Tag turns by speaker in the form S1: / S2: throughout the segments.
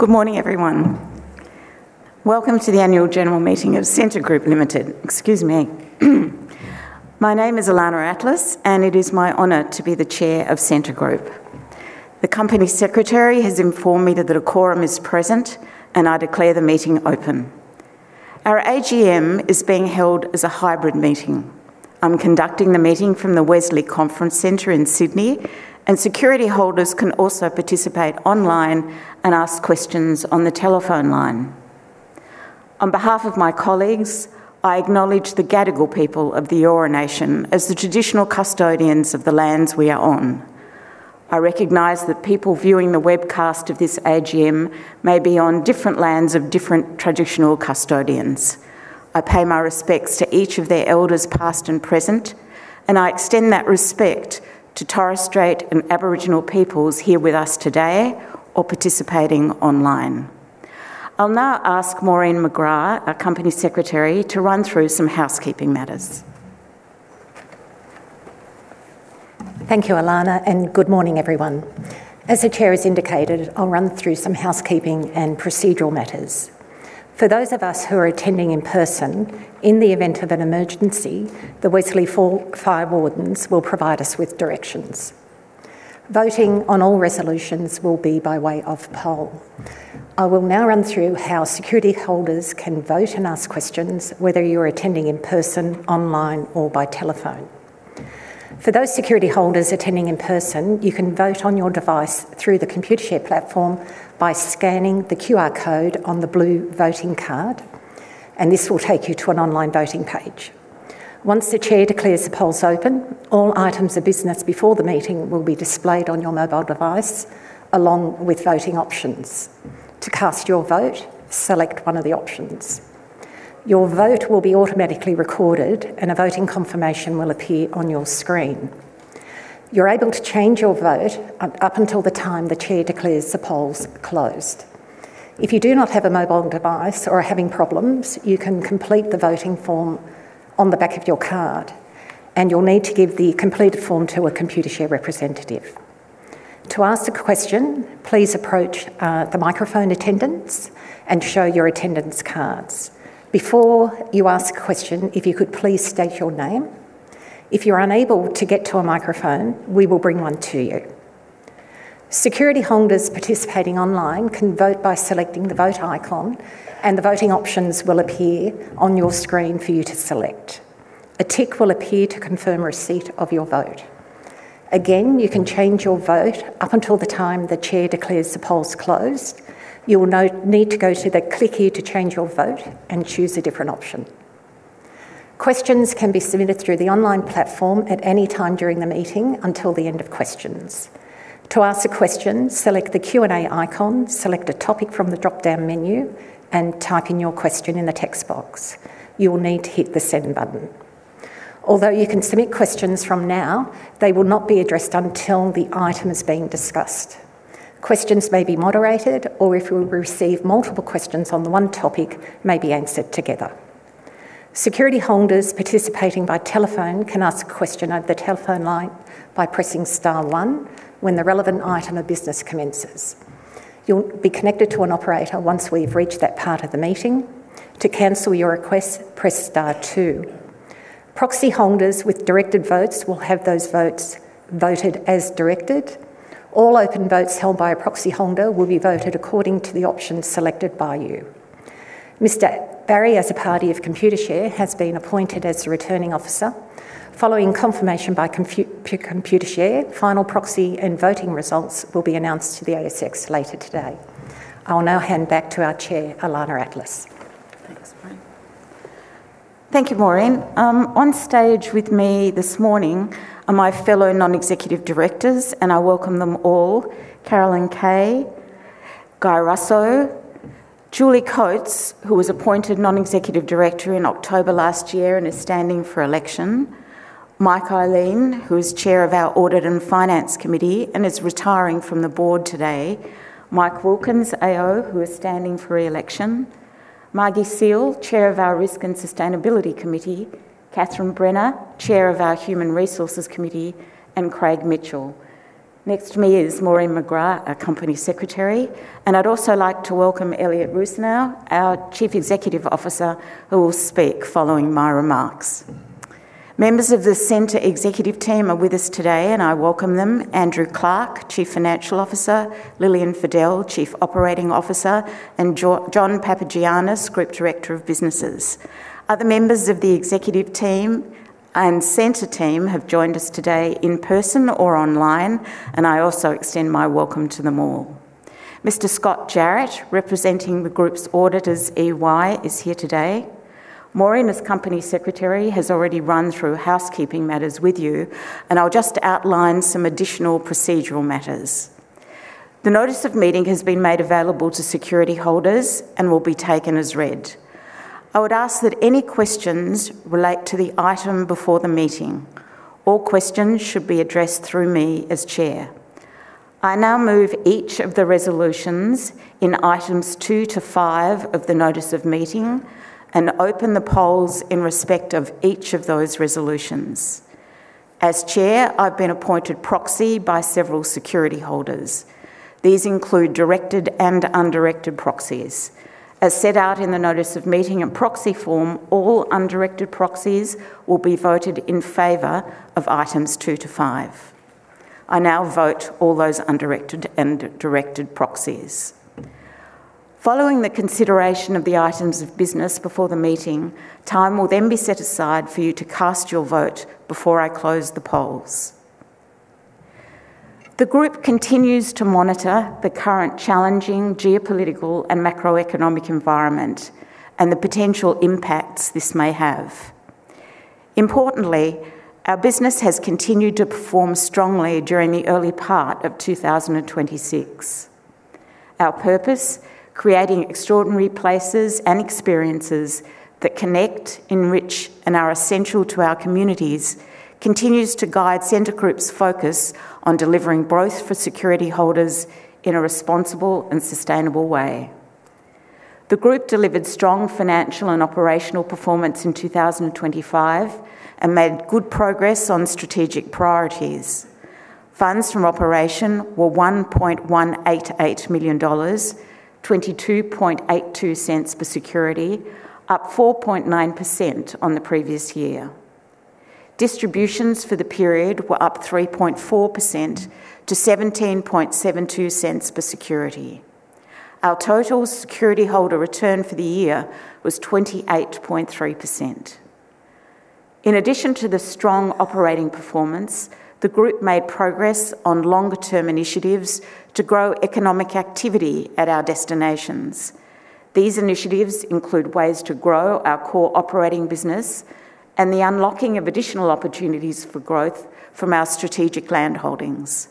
S1: Good morning, everyone. Welcome to the annual general meeting of Scentre Group Limited. Excuse me. My name is Ilana Atlas, and it is my honor to be the Chair of Scentre Group. The company secretary has informed me that a quorum is present, and I declare the meeting open. Our AGM is being held as a hybrid meeting. I'm conducting the meeting from the Wesley Conference Centre in Sydney, and security holders can also participate online and ask questions on the telephone line. On behalf of my colleagues, I acknowledge the Gadigal people of the Eora Nation as the traditional custodians of the lands we are on. I recognize that people viewing the webcast of this AGM may be on different lands of different traditional custodians. I pay my respects to each of their elders, past and present, and I extend that respect to Torres Strait and Aboriginal peoples here with us today or participating online. I'll now ask Maureen McGrath, our Company Secretary, to run through some housekeeping matters.
S2: Thank you, Ilana, and good morning, everyone. As the chair has indicated, I'll run through some housekeeping and procedural matters. For those of us who are attending in person, in the event of an emergency, the Wesley fire wardens will provide us with directions. Voting on all resolutions will be by way of poll. I will now run through how security holders can vote and ask questions, whether you're attending in person, online, or by telephone. For those security holders attending in person, you can vote on your device through the Computershare platform by scanning the QR code on the blue voting card, and this will take you to an online voting page. Once the chair declares the polls open, all items of business before the meeting will be displayed on your mobile device, along with voting options. To cast your vote, select one of the options. Your vote will be automatically recorded, and a voting confirmation will appear on your screen. You're able to change your vote up until the time the chair declares the polls closed. If you do not have a mobile device or are having problems, you can complete the voting form on the back of your card, and you'll need to give the completed form to a Computershare representative. To ask a question, please approach the microphone attendants and show your attendance cards. Before you ask a question, if you could please state your name. If you're unable to get to a microphone, we will bring one to you. Security holders participating online can vote by selecting the vote icon, and the voting options will appear on your screen for you to select. A tick will appear to confirm receipt of your vote. Again, you can change your vote up until the time the chair declares the polls closed. You'll need to go to the click here to change your vote and choose a different option. Questions can be submitted through the online platform at any time during the meeting until the end of questions. To ask a question, select the Q&A icon, select a topic from the dropdown menu, and type in your question in the text box. You will need to hit the send button. Although you can submit questions from now, they will not be addressed until the item is being discussed. Questions may be moderated or, if we receive multiple questions on the one topic, may be answered together. Security holders participating by telephone can ask a question over the telephone line by pressing star one when the relevant item of business commences. You will be connected to an operator once we reach that part of the meeting. To cancel your request, press star two. Proxy holders with directed votes will have those votes voted as directed. All open votes held by a proxy holder will be voted according to the options selected by you. Mr. Barry, as a party of Computershare, has been appointed as the returning officer. Following confirmation by Computershare, final proxy and voting results will be announced to the ASX later today. I will now hand back to our Chair, Ilana Atlas.
S1: Thank you, Maureen. On stage with me this morning are my fellow non-executive directors, and I welcome them all. Carolyn Kay, Guy Russo, Julie Coates, who was appointed non-executive director in October last year and is standing for election, Michael Ihlein, who is chair of our Audit and Finance Committee and is retiring from the board today, Mike Wilkins, AO, who is standing for re-election, Margaret Seale, chair of our Risk and Sustainability Committee, Catherine Brenner, chair of our Human Resources Committee, and Craig Mitchell. Next to me is Maureen McGrath, our company secretary. I'd also like to welcome Elliott Rusanow, our Chief Executive Officer, who will speak following my remarks. Members of the Scentre executive team are with us today, and I welcome them. Andrew Clarke, Chief Financial Officer, Lillian Fadel, Chief Operating Officer, and John Papagiannis, Group Director of Businesses. Other members of the executive team and Scentre team have joined us today in person or online, and I also extend my welcome to them all. Mr. Scott Jarrett, representing the group's auditors, EY, is here today. Maureen, as Company Secretary, has already run through housekeeping matters with you, and I'll just outline some additional procedural matters. The notice of meeting has been made available to security holders and will be taken as read. I would ask that any questions relate to the item before the meeting. All questions should be addressed through me as Chair. I now move each of the resolutions in items two to five of the notice of meeting and open the polls in respect of each of those resolutions. As Chair, I've been appointed proxy by several security holders. These include directed and undirected proxies. As set out in the notice of meeting and proxy form, all undirected proxies will be voted in favor of items two to five. I now vote all those undirected and directed proxies. Following the consideration of the items of business before the meeting, time will then be set aside for you to cast your vote before I close the polls. The group continues to monitor the current challenging geopolitical and macroeconomic environment, and the potential impacts this may have. Importantly, our business has continued to perform strongly during the early part of 2026. Our purpose, creating extraordinary places and experiences that connect, enrich, and are essential to our communities, continues to guide Scentre Group's focus on delivering growth for security holders in a responsible and sustainable way. The group delivered strong financial and operational performance in 2025 and made good progress on strategic priorities. Funds from operations were 1.188 million dollars, 0.2282 per security, up 4.9% on the previous year. Distributions for the period were up 3.4% to 0.1772 per security. Our total security holder return for the year was 28.3%. In addition to the strong operating performance, the group made progress on longer term initiatives to grow economic activity at our destinations. These initiatives include ways to grow our core operating business and the unlocking of additional opportunities for growth from our strategic land holdings.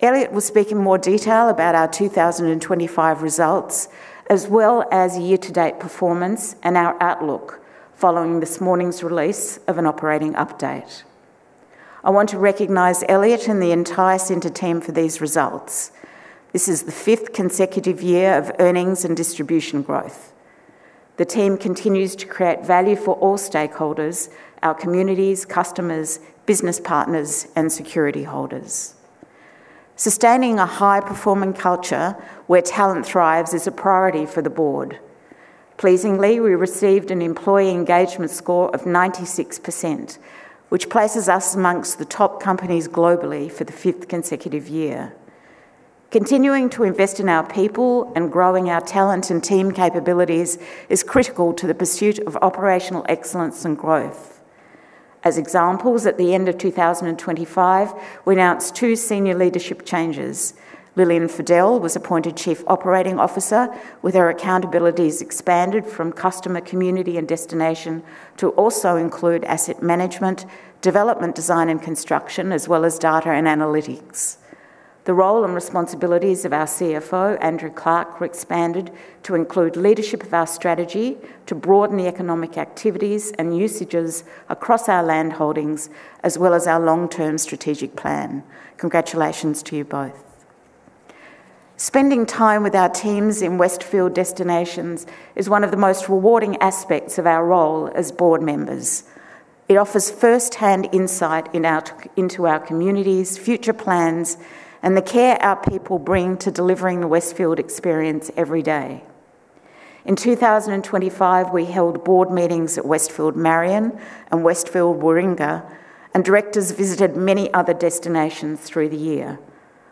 S1: Elliott will speak in more detail about our 2025 results as well as year-to-date performance and our outlook following this morning's release of an operating update. I want to recognize Elliott and the entire Scentre team for these results. This is the fifth consecutive year of earnings and distribution growth. The team continues to create value for all stakeholders, our communities, customers, business partners, and security holders. Sustaining a high-performing culture where talent thrives is a priority for the board. Pleasingly, we received an employee engagement score of 96%, which places us among the top companies globally for the fifth consecutive year. Continuing to invest in our people and growing our talent and team capabilities is critical to the pursuit of operational excellence and growth. As examples, at the end of 2025, we announced two senior leadership changes. Lillian Fadel was appointed Chief Operating Officer, with her accountabilities expanded from customer, community, and destination to also include asset management, development, design, and construction, as well as data and analytics. The role and responsibilities of our CFO, Andrew Clarke, were expanded to include leadership of our strategy to broaden the economic activities and usages across our land holdings, as well as our long-term strategic plan. Congratulations to you both. Spending time with our teams in Westfield destinations is one of the most rewarding aspects of our role as board members. It offers firsthand insight into our communities, future plans, and the care our people bring to delivering the Westfield experience every day. In 2025, we held board meetings at Westfield Marion and Westfield Warringah, and directors visited many other destinations through the year.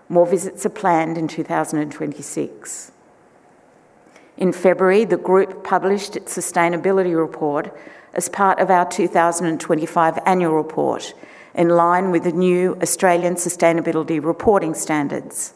S1: More visits are planned in 2026. In February, the group published its sustainability report as part of our 2025 annual report, in line with the new Australian Sustainability Reporting Standards.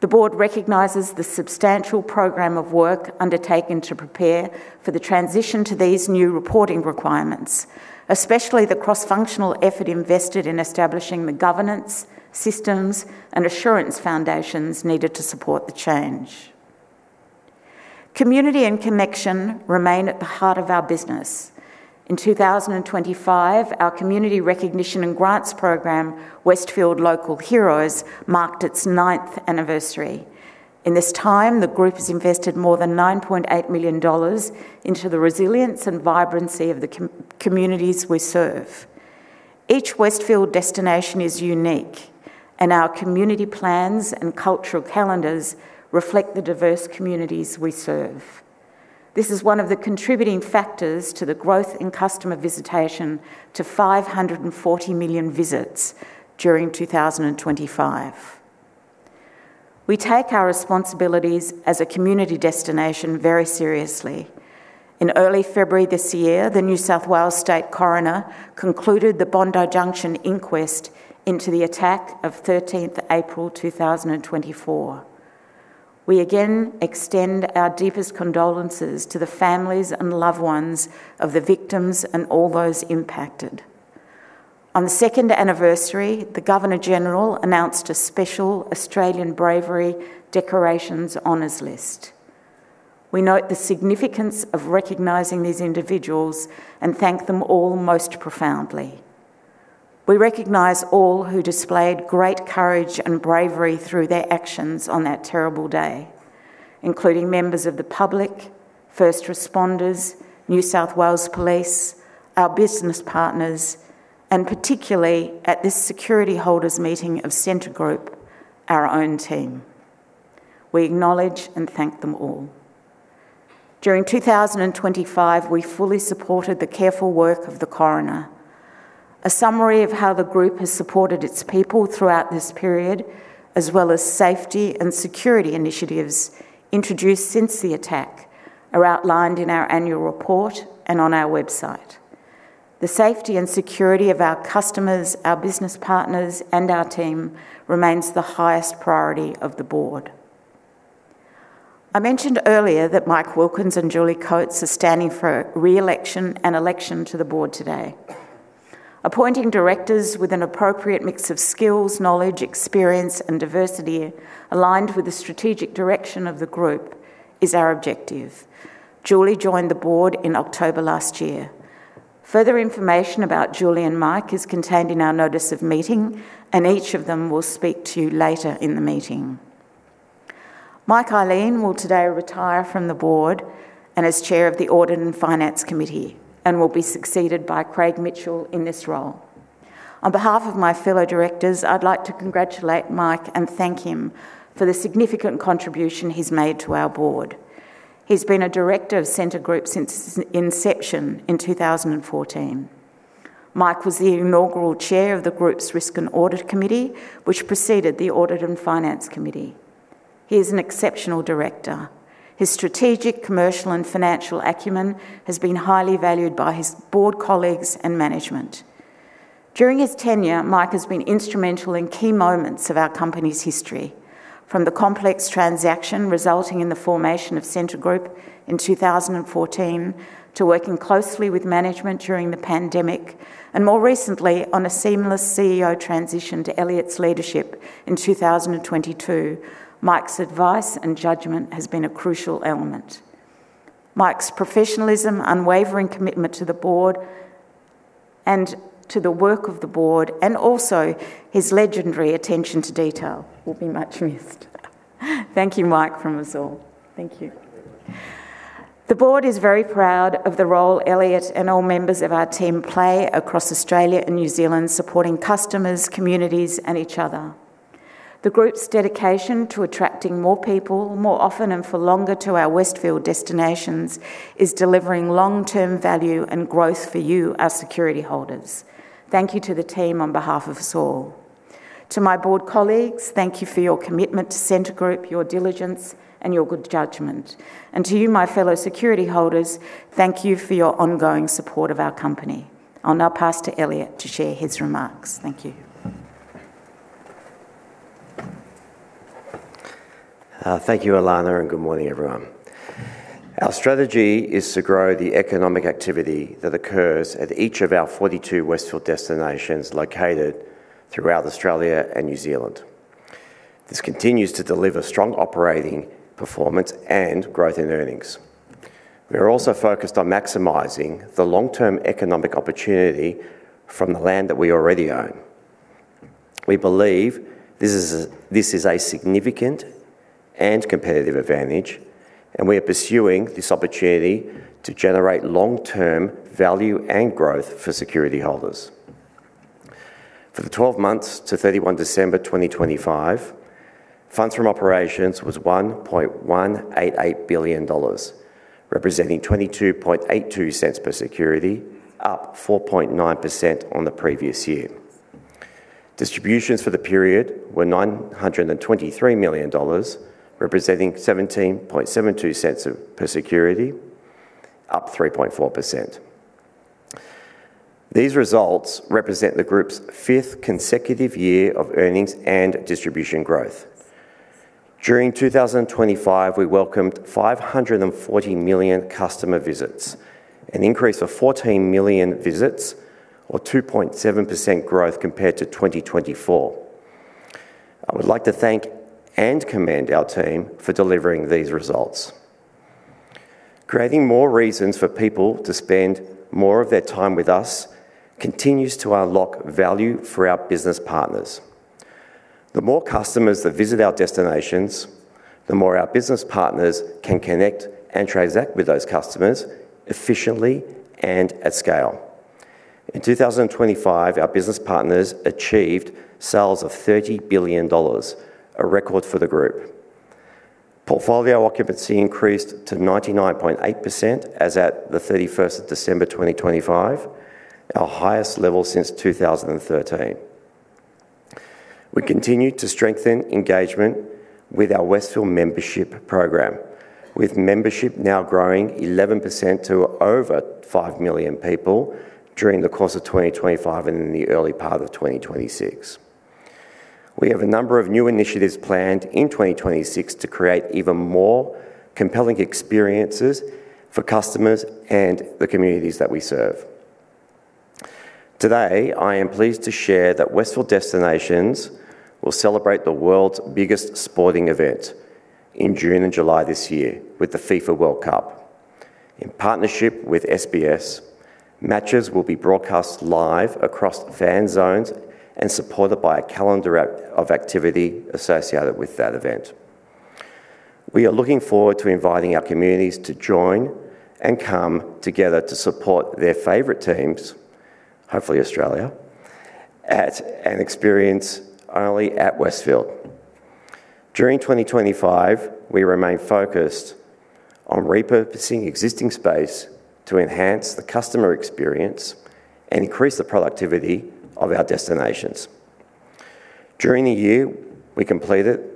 S1: The board recognizes the substantial program of work undertaken to prepare for the transition to these new reporting requirements, especially the cross-functional effort invested in establishing the governance, systems, and assurance foundations needed to support the change. Community and connection remain at the heart of our business. In 2025, our community recognition and grants program, Westfield Local Heroes, marked its ninth anniversary. In this time, the group has invested more than 9.8 million dollars into the resilience and vibrancy of the communities we serve. Each Westfield destination is unique, and our community plans and cultural calendars reflect the diverse communities we serve. This is one of the contributing factors to the growth in customer visitation to 540 million visits during 2025. We take our responsibilities as a community destination very seriously. In early February this year, the New South Wales State Coroner concluded the Bondi Junction inquest into the attack of 13th April 2024. We again extend our deepest condolences to the families and loved ones of the victims and all those impacted. On the second anniversary, the Governor-General announced a special Australian Bravery Decorations honors list. We note the significance of recognizing these individuals and thank them all most profoundly. We recognize all who displayed great courage and bravery through their actions on that terrible day, including members of the public, first responders, New South Wales Police, our business partners, and particularly at this security holders' meeting of Scentre Group, our own team. We acknowledge and thank them all. During 2025, we fully supported the careful work of the coroner. A summary of how the group has supported its people throughout this period, as well as safety and security initiatives introduced since the attack, are outlined in our annual report and on our website. The safety and security of our customers, our business partners, and our team remains the highest priority of the board. I mentioned earlier that Mike Wilkins and Julie Coates are standing for re-election and election to the board today. Appointing directors with an appropriate mix of skills, knowledge, experience, and diversity, aligned with the strategic direction of the group is our objective. Julie joined the board in October last year. Further information about Julie and Mike is contained in our notice of meeting, and each of them will speak to you later in the meeting. Mike Ihlein will today retire from the board and as chair of the Audit and Finance Committee and will be succeeded by Craig Mitchell in this role. On behalf of my fellow directors, I'd like to congratulate Mike and thank him for the significant contribution he's made to our board. He's been a director of Scentre Group since its inception in 2014. Mike was the inaugural chair of the group's Risk and Audit Committee, which preceded the Audit and Finance Committee. He is an exceptional director. His strategic, commercial, and financial acumen has been highly valued by his board colleagues and management. During his tenure, Mike has been instrumental in key moments of our company's history, from the complex transaction resulting in the formation of Scentre Group in 2014, to working closely with management during the pandemic, and more recently on a seamless CEO transition to Elliott's leadership in 2022. Mike's advice and judgment has been a crucial element. Mike's professionalism, unwavering commitment to the board and to the work of the board, and also his legendary attention to detail will be much missed. Thank you, Mike, from us all. Thank you. The board is very proud of the role Elliott and all members of our team play across Australia and New Zealand, supporting customers, communities, and each other. The group's dedication to attracting more people more often and for longer to our Westfield destinations is delivering long-term value and growth for you, our security holders. Thank you to the team on behalf of us all. To my board colleagues, thank you for your commitment to Scentre Group, your diligence, and your good judgment. To you, my fellow security holders, thank you for your ongoing support of our company. I'll now pass to Elliott to share his remarks. Thank you.
S3: Thank you, Ilana, and good morning, everyone. Our strategy is to grow the economic activity that occurs at each of our 42 Westfield destinations located throughout Australia and New Zealand. This continues to deliver strong operating performance and growth in earnings. We are also focused on maximizing the long-term economic opportunity from the land that we already own. We believe this is a significant and competitive advantage, and we are pursuing this opportunity to generate long-term value and growth for security holders. For the 12 months to 31 December 2025, funds from operations was 1.188 billion dollars, representing 0.2282 per security, up 4.9% on the previous year. Distributions for the period were 923 million dollars, representing 0.1772 per security, up 3.4%. These results represent the group's fifth consecutive year of earnings and distribution growth. During 2025, we welcomed 540 million customer visits, an increase of 14 million visits or 2.7% growth compared to 2024. I would like to thank and commend our team for delivering these results. Creating more reasons for people to spend more of their time with us continues to unlock value for our business partners. The more customers that visit our destinations, the more our business partners can connect and transact with those customers efficiently and at scale. In 2025, our business partners achieved sales of 30 billion dollars, a record for the group. Portfolio occupancy increased to 99.8% as at the 31st of December 2025, our highest level since 2013. We continued to strengthen engagement with our Westfield Membership program, with membership now growing 11% to over 5 million people during the course of 2025 and in the early part of 2026. We have a number of new initiatives planned in 2026 to create even more compelling experiences for customers and the communities that we serve. Today, I am pleased to share that Westfield Destinations will celebrate the world's biggest sporting event in June and July this year with the FIFA World Cup. In partnership with SBS, matches will be broadcast live across fan zones and supported by a calendar of activity associated with that event. We are looking forward to inviting our communities to join and come together to support their favorite teams, hopefully Australia, at an experience only at Westfield. During 2025, we remain focused on repurposing existing space to enhance the customer experience and increase the productivity of our destinations. During the year, we completed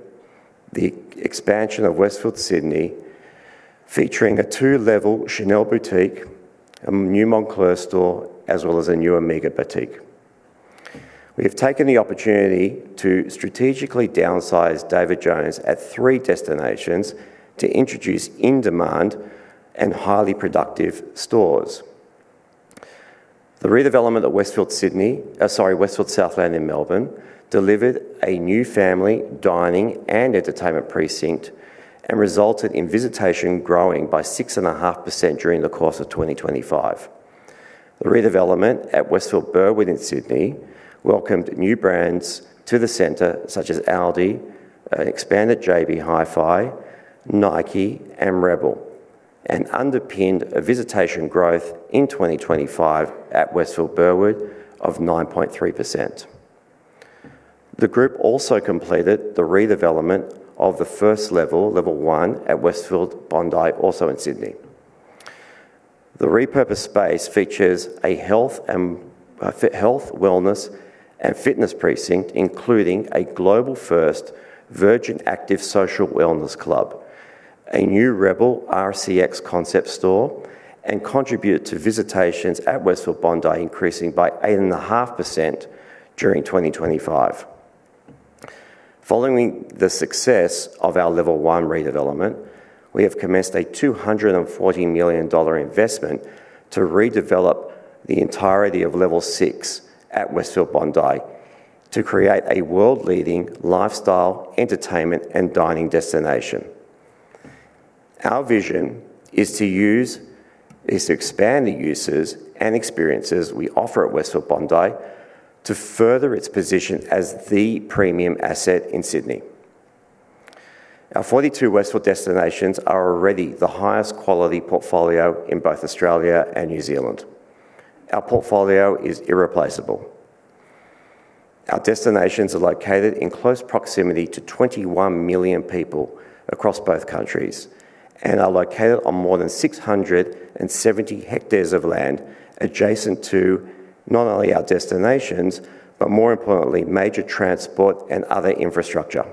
S3: the expansion of Westfield Sydney, featuring a two-level Chanel boutique, a new Moncler store, as well as a new Omega boutique. We have taken the opportunity to strategically downsize David Jones at three destinations to introduce in-demand and highly productive stores. The redevelopment at Westfield Southland in Melbourne delivered a new family dining and entertainment precinct and resulted in visitation growing by 6.5% during the course of 2025. The redevelopment at Westfield Burwood in Sydney welcomed new brands to the center such as Aldi, an expanded JB Hi-Fi, Nike, and Rebel, and underpinned a visitation growth in 2025 at Westfield Burwood of 9.3%. The group also completed the redevelopment of the first level at Westfield Bondi, also in Sydney. The repurposed space features a health, wellness, and fitness precinct, including a global first Virgin Active social wellness club, a new rebel rcx concept store, and contributed to visitations at Westfield Bondi increasing by 8.5% during 2025. Following the success of our level one redevelopment, we have commenced a 240 million dollar investment to redevelop the entirety of level six at Westfield Bondi to create a world-leading lifestyle, entertainment, and dining destination. Our vision is to expand the uses and experiences we offer at Westfield Bondi to further its position as the premium asset in Sydney. Our 42 Westfield destinations are already the highest quality portfolio in both Australia and New Zealand. Our portfolio is irreplaceable. Our destinations are located in close proximity to 21 million people across both countries and are located on more than 670 hectares of land adjacent to not only our destinations, but more importantly, major transport and other infrastructure.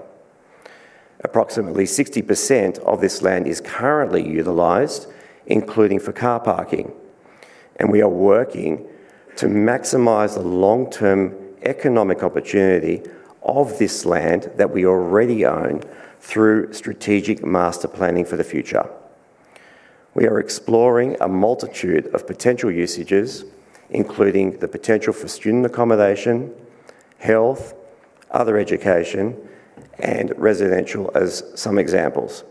S3: Approximately 60% of this land is currently utilized, including for car parking, and we are working to maximize the long-term economic opportunity of this land that we already own through strategic master planning for the future. We are exploring a multitude of potential usages, including the potential for student accommodation, health, other education, and residential, as some examples.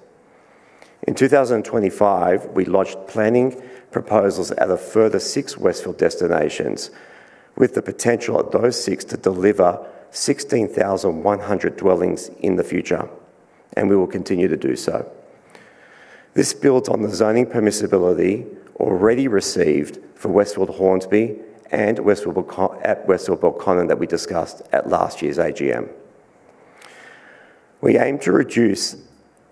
S3: In 2025, we launched planning proposals at a further six Westfield destinations, with the potential of those six to deliver 16,100 dwellings in the future, and we will continue to do so. This builds on the zoning permissibility already received for Westfield Hornsby and at Westfield Booragoon that we discussed at last year's AGM. We aim to reduce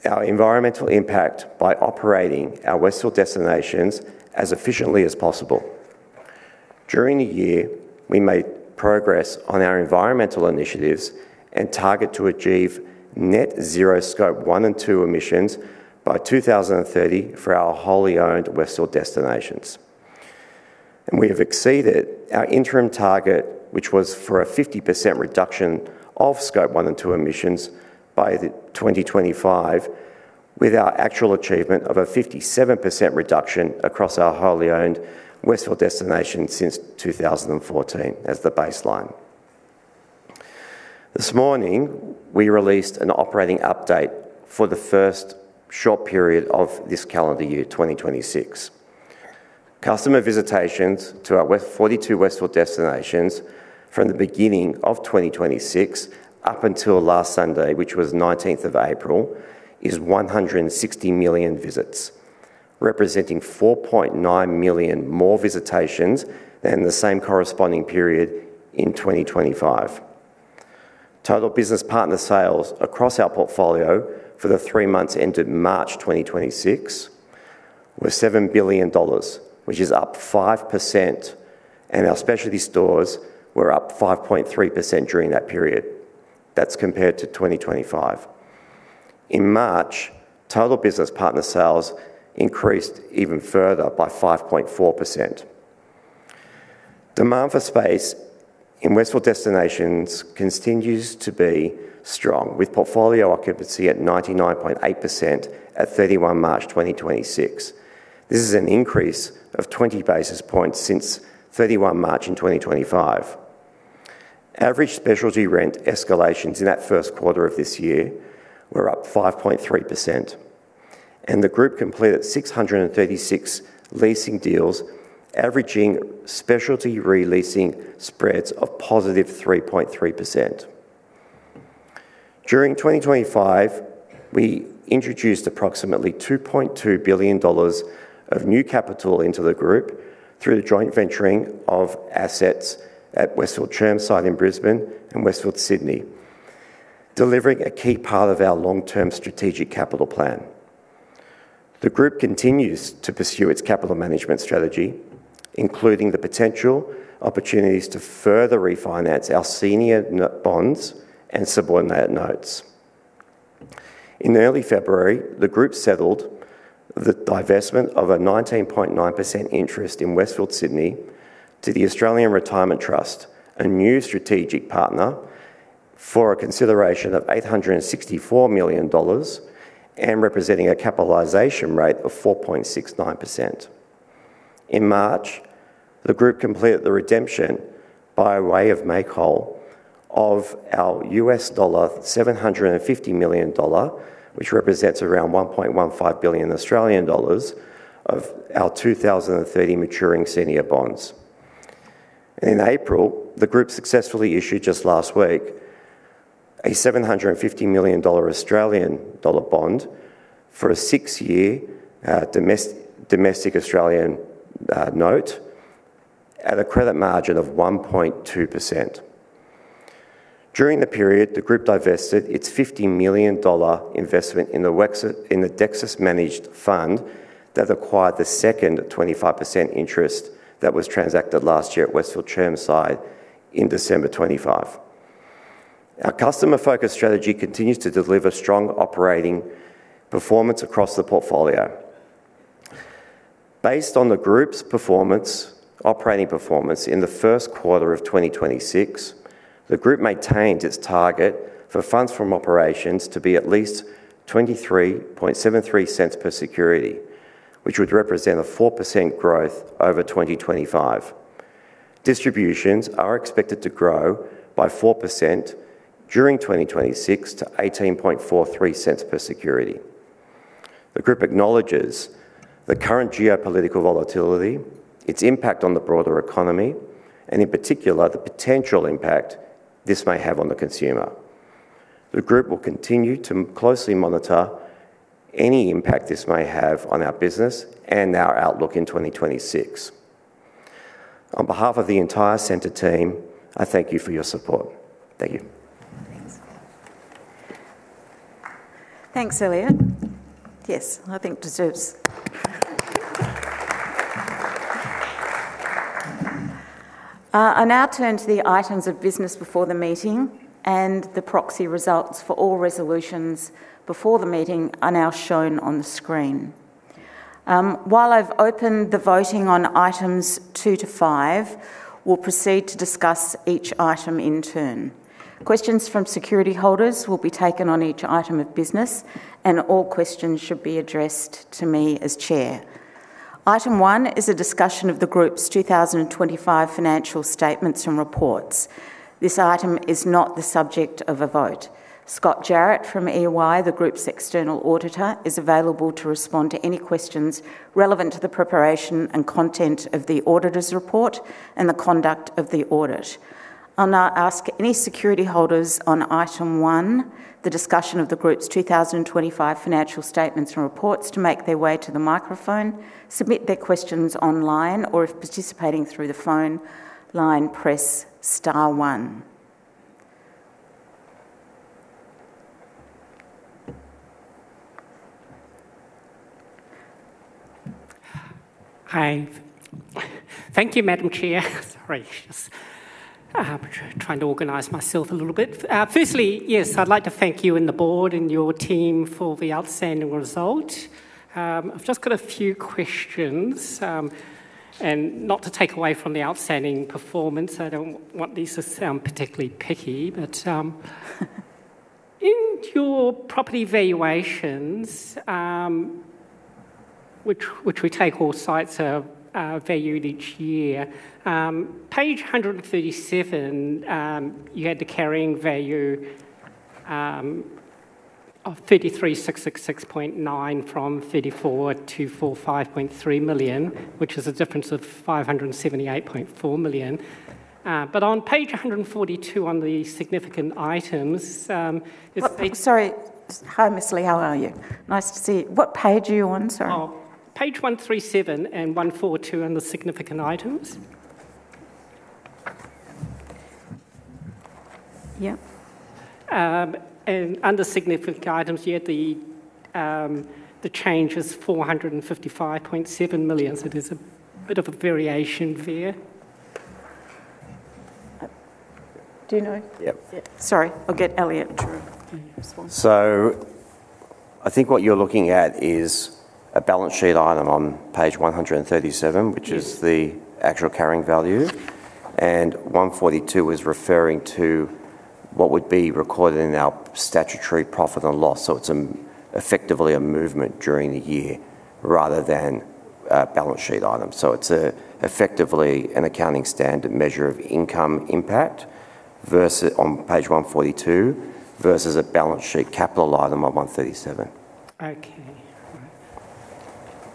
S3: our environmental impact by operating our Westfield destinations as efficiently as possible. During the year, we made progress on our environmental initiatives and target to achieve net zero Scope 1 and 2 emissions by 2030 for our wholly-owned Westfield destinations. We have exceeded our interim target, which was for a 50% reduction of Scope 1 and 2 emissions by 2025, with our actual achievement of a 57% reduction across our wholly-owned Westfield destinations since 2014 as the baseline. This morning, we released an operating update for the first short period of this calendar year, 2026. Customer visitations to our 42 Westfield destinations from the beginning of 2026 up until last Sunday, which was 19th of April, is 160 million visits, representing 4.9 million more visitations than the same corresponding period in 2025. Total business partner sales across our portfolio for the three months ended March 2026 were 7 billion dollars, which is up 5%, and our specialty stores were up 5.3% during that period. That's compared to 2025. In March, total business partner sales increased even further by 5.4%. Demand for space in Westfield destinations continues to be strong, with portfolio occupancy at 99.8% at 31 March 2026. This is an increase of 20 basis points since 31 March in 2025. Average specialty rent escalations in that first quarter of this year were up 5.3%, and the group completed 636 leasing deals, averaging specialty re-leasing spreads of positive 3.3%. During 2025, we introduced approximately 2.2 billion dollars of new capital into the group through the joint venturing of assets at Westfield Chermside in Brisbane and Westfield Sydney, delivering a key part of our long-term strategic capital plan. The group continues to pursue its capital management strategy, including the potential opportunities to further refinance our senior bonds and subordinate notes. In early February, the group settled the divestment of a 19.9% interest in Westfield Sydney to the Australian Retirement Trust, a new strategic partner, for a consideration of 864 million dollars and representing a capitalization rate of 4.69%. In March, the group completed the redemption, by way of make whole, of our $750 million, which represents around 1.15 billion Australian dollars, of our 2030 maturing senior bonds. In April, the group successfully issued, just last week, a 750 million Australian dollar bond for a six-year domestic Australian note at a credit margin of 1.2%. During the period, the group divested its 50 million dollar investment in the Dexus-managed fund that acquired the second 25% interest that was transacted last year at Westfield Chermside in December 2025. Our customer-focused strategy continues to deliver strong operating performance across the portfolio. Based on the group's operating performance in the first quarter of 2026, the group maintains its target for funds from operations to be at least 0.2373 per security, which would represent 4% growth over 2025. Distributions are expected to grow by 4% during 2026 to 0.1843 per security. The group acknowledges the current geopolitical volatility, its impact on the broader economy, and in particular, the potential impact this may have on the consumer. The group will continue to closely monitor any impact this may have on our business and our outlook in 2026. On behalf of the entire Scentre team, I thank you for your support. Thank you.
S1: Thanks, Elliott. Yes, I think it deserves. I now turn to the items of business before the meeting, and the proxy results for all resolutions before the meeting are now shown on the screen. While I've opened the voting on items two to five, we'll proceed to discuss each item in turn. Questions from security holders will be taken on each item of business, and all questions should be addressed to me as chair. Item one is a discussion of the group's 2025 financial statements and reports. This item is not the subject of a vote. Scott Jarrett from EY, the group's external auditor, is available to respond to any questions relevant to the preparation and content of the auditor's report and the conduct of the audit. I'll now ask any security holders on item one, the discussion of the group's 2025 financial statements and reports, to make their way to the microphone, submit their questions online, or if participating through the phone line, press star one.
S4: Hi. Thank you, Madam Chair. Sorry, just trying to organize myself a little bit. Firstly, yes, I'd like to thank you and the board and your team for the outstanding result. I've just got a few questions. Not to take away from the outstanding performance, I don't want these to sound particularly picky, but in your property valuations, which we take all sites are valued each year. Page 137, you had the carrying value of 33,666.9 million from 34,245.3 million, which is a difference of 578.4 million. But on page 142 on the significant items.
S1: Sorry. Hi, Ms. Lee. How are you? Nice to see you. What page are you on, sorry?
S4: Oh, page 137 and 142 under Significant Items.
S1: Yep.
S4: Under Significant Items, the change is 455.7 million, so there's a bit of a variation there.
S1: Do you know?
S3: Yep.
S1: Sorry. I'll get Elliott to respond.
S3: I think what you're looking at is a balance sheet item on page 137, which is the actual carrying value, and 142 is referring to what would be recorded in our statutory profit and loss. It's effectively a movement during the year rather than a balance sheet item. It's effectively an accounting standard measure of income impact on page 142, versus a balance sheet capital item on 137.
S4: Okay.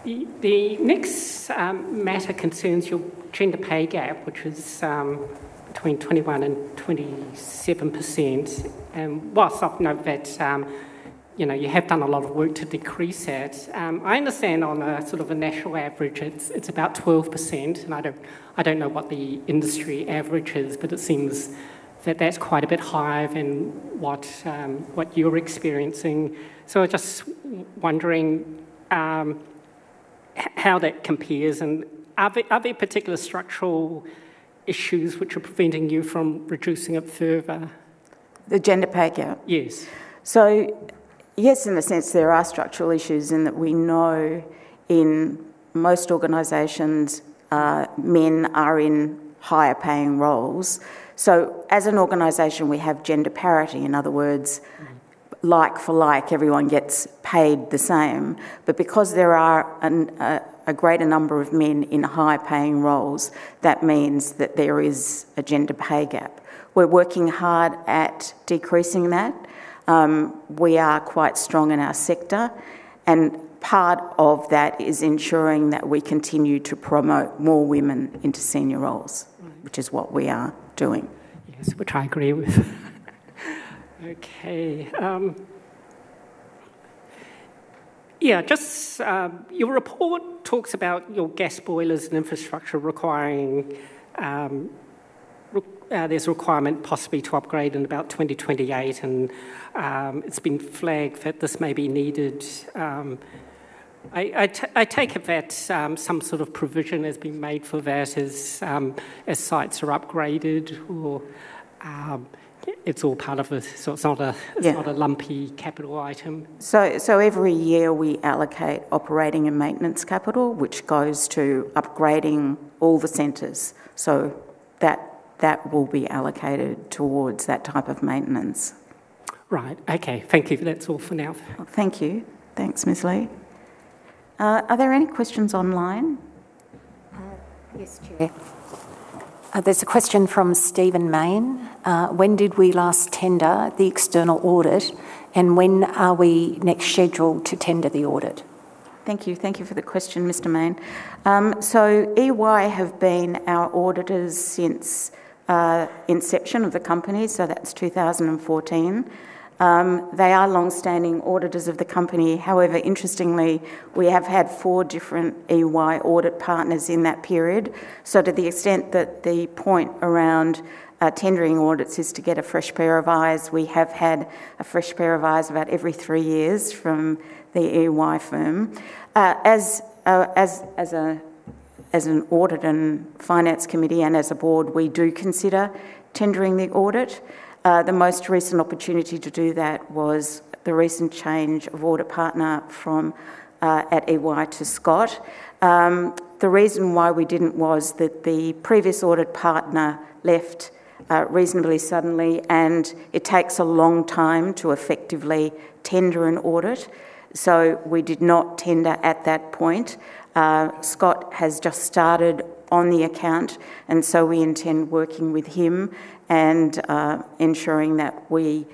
S4: All right. The next matter concerns your gender pay gap, which was between 21%-27%. While I know that you have done a lot of work to decrease it, I understand on a national average, it's about 12%. I don't know what the industry average is, but it seems that that's quite a bit higher than what you're experiencing. I'm just wondering how that compares and are there particular structural issues which are preventing you from reducing it further?
S1: The gender pay gap?
S4: Yes.
S1: Yes, in a sense, there are structural issues in that we know in most organizations, men are in higher paying roles. As an organization, we have gender parity. In other words, like for like, everyone gets paid the same. Because there are a greater number of men in higher paying roles, that means that there is a gender pay gap. We're working hard at decreasing that. We are quite strong in our sector, and part of that is ensuring that we continue to promote more women into senior roles, which is what we are doing.
S4: Yes. Which I agree with. Okay. Your report talks about your gas boilers and infrastructure. There's a requirement possibly to upgrade in about 2028, and it's been flagged that this may be needed. I take it that some sort of provision has been made for that as sites are upgraded, or it's not a lumpy capital item.
S1: Every year we allocate operating and maintenance capital, which goes to upgrading all the centers. That will be allocated towards that type of maintenance.
S4: Right. Okay. Thank you. That's all for now.
S1: Thank you. Thanks, Ms. Lee. Are there any questions online?
S2: Yes, Chair. There's a question from Stephen Mayne. When did we last tender the external audit, and when are we next scheduled to tender the audit?
S1: Thank you. Thank you for the question, Mr. Mayne. EY have been our auditors since inception of the company, so that's 2014. They are longstanding auditors of the company. However, interestingly, we have had four different EY audit partners in that period. To the extent that the point around tendering audits is to get a fresh pair of eyes, we have had a fresh pair of eyes about every three years from the EY firm. As an Audit and Finance Committee and as a Board, we do consider tendering the audit. The most recent opportunity to do that was the recent change of audit partner from at EY to Scott. The reason why we didn't was that the previous audit partner left reasonably suddenly, and it takes a long time to effectively tender an audit, so we did not tender at that point. Scott has just started on the account, and so we intend working with him and ensuring that we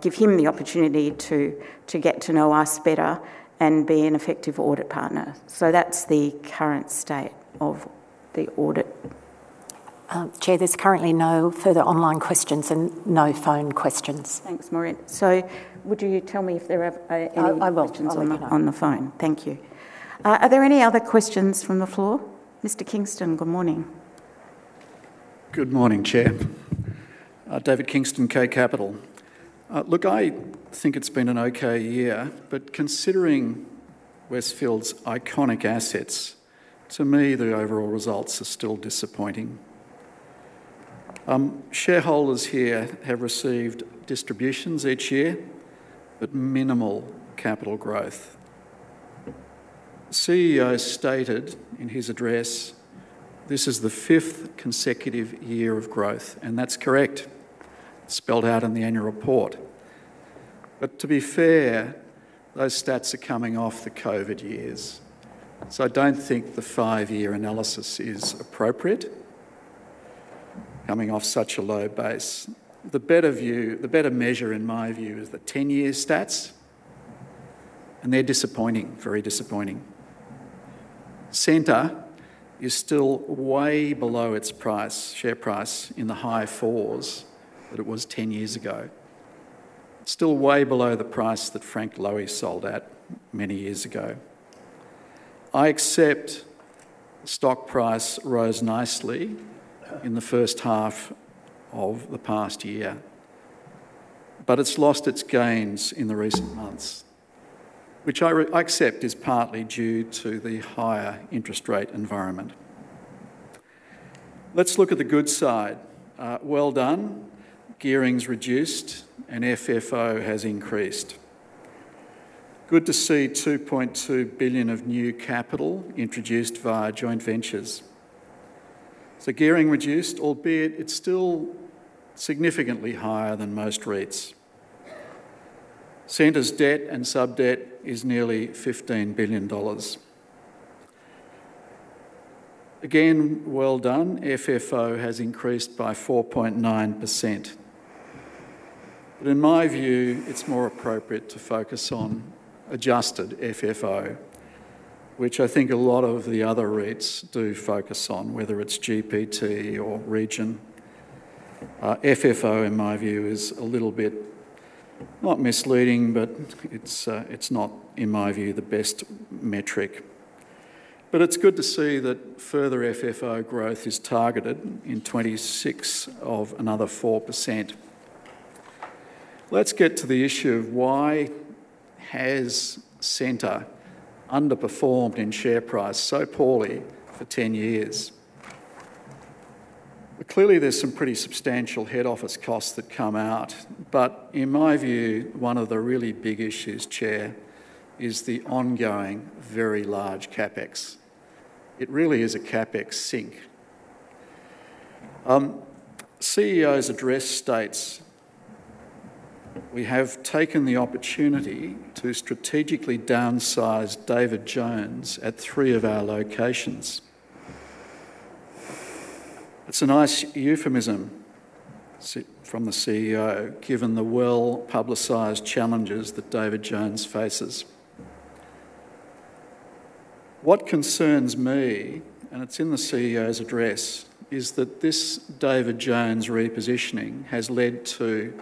S1: give him the opportunity to get to know us better and be an effective audit partner. That's the current state of the audit.
S2: Chair, there's currently no further online questions and no phone questions.
S1: Thanks, Maureen. Would you tell me if there are any questions?
S2: I will.
S1: On the phone? Thank you. Are there any other questions from the floor? Mr. Kingston, good morning.
S5: Good morning, Chair. David Kingston, K Capital. Look, I think it's been an okay year, but considering Westfield's iconic assets, to me, the overall results are still disappointing. Shareholders here have received distributions each year, but minimal capital growth. CEO stated in his address this is the fifth consecutive year of growth, and that's correct. Spelled out in the annual report. To be fair, those stats are coming off the COVID years. I don't think the five-year analysis is appropriate coming off such a low base. The better measure in my view is the 10-year stats, and they're disappointing. Very disappointing. Scentre is still way below its share price in the high fours that it was 10 years ago. Still way below the price that Frank Lowy sold at many years ago. I accept stock price rose nicely in the first half of the past year, but it's lost its gains in the recent months, which I accept is partly due to the higher interest rate environment. Let's look at the good side. Well done. Gearing's reduced and FFO has increased. Good to see 2.2 billion of new capital introduced via joint ventures. The gearing reduced, albeit it's still significantly higher than most REITs. Scentre's debt and sub-debt is nearly 15 billion dollars. Again, well done. FFO has increased by 4.9%, but in my view, it's more appropriate to focus on adjusted FFO, which I think a lot of the other REITs do focus on, whether it's GPT or Region. FFO, in my view, is a little bit, not misleading, but it's not, in my view, the best metric. It's good to see that further FFO growth is targeted in 2026 of another 4%. Let's get to the issue of why has Scentre underperformed in share price so poorly for 10 years? Clearly, there's some pretty substantial head office costs that come out, but in my view, one of the really big issues, Chair, is the ongoing very large CapEx. It really is a CapEx sink. CEO's address states, "We have taken the opportunity to strategically downsize David Jones at three of our locations." It's a nice euphemism from the CEO, given the well-publicized challenges that David Jones faces. What concerns me, and it's in the CEO's address, is that this David Jones repositioning has led to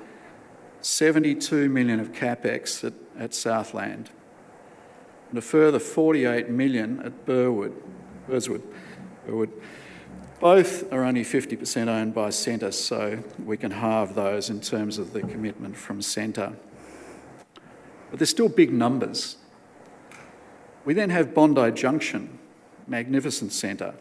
S5: 72 million of CapEx at Southland and a further 48 million at Burwood. Both are only 50% owned by Scentre, so we can halve those in terms of the commitment from Scentre. They're still big numbers. We then have Bondi Junction, magnificent centre.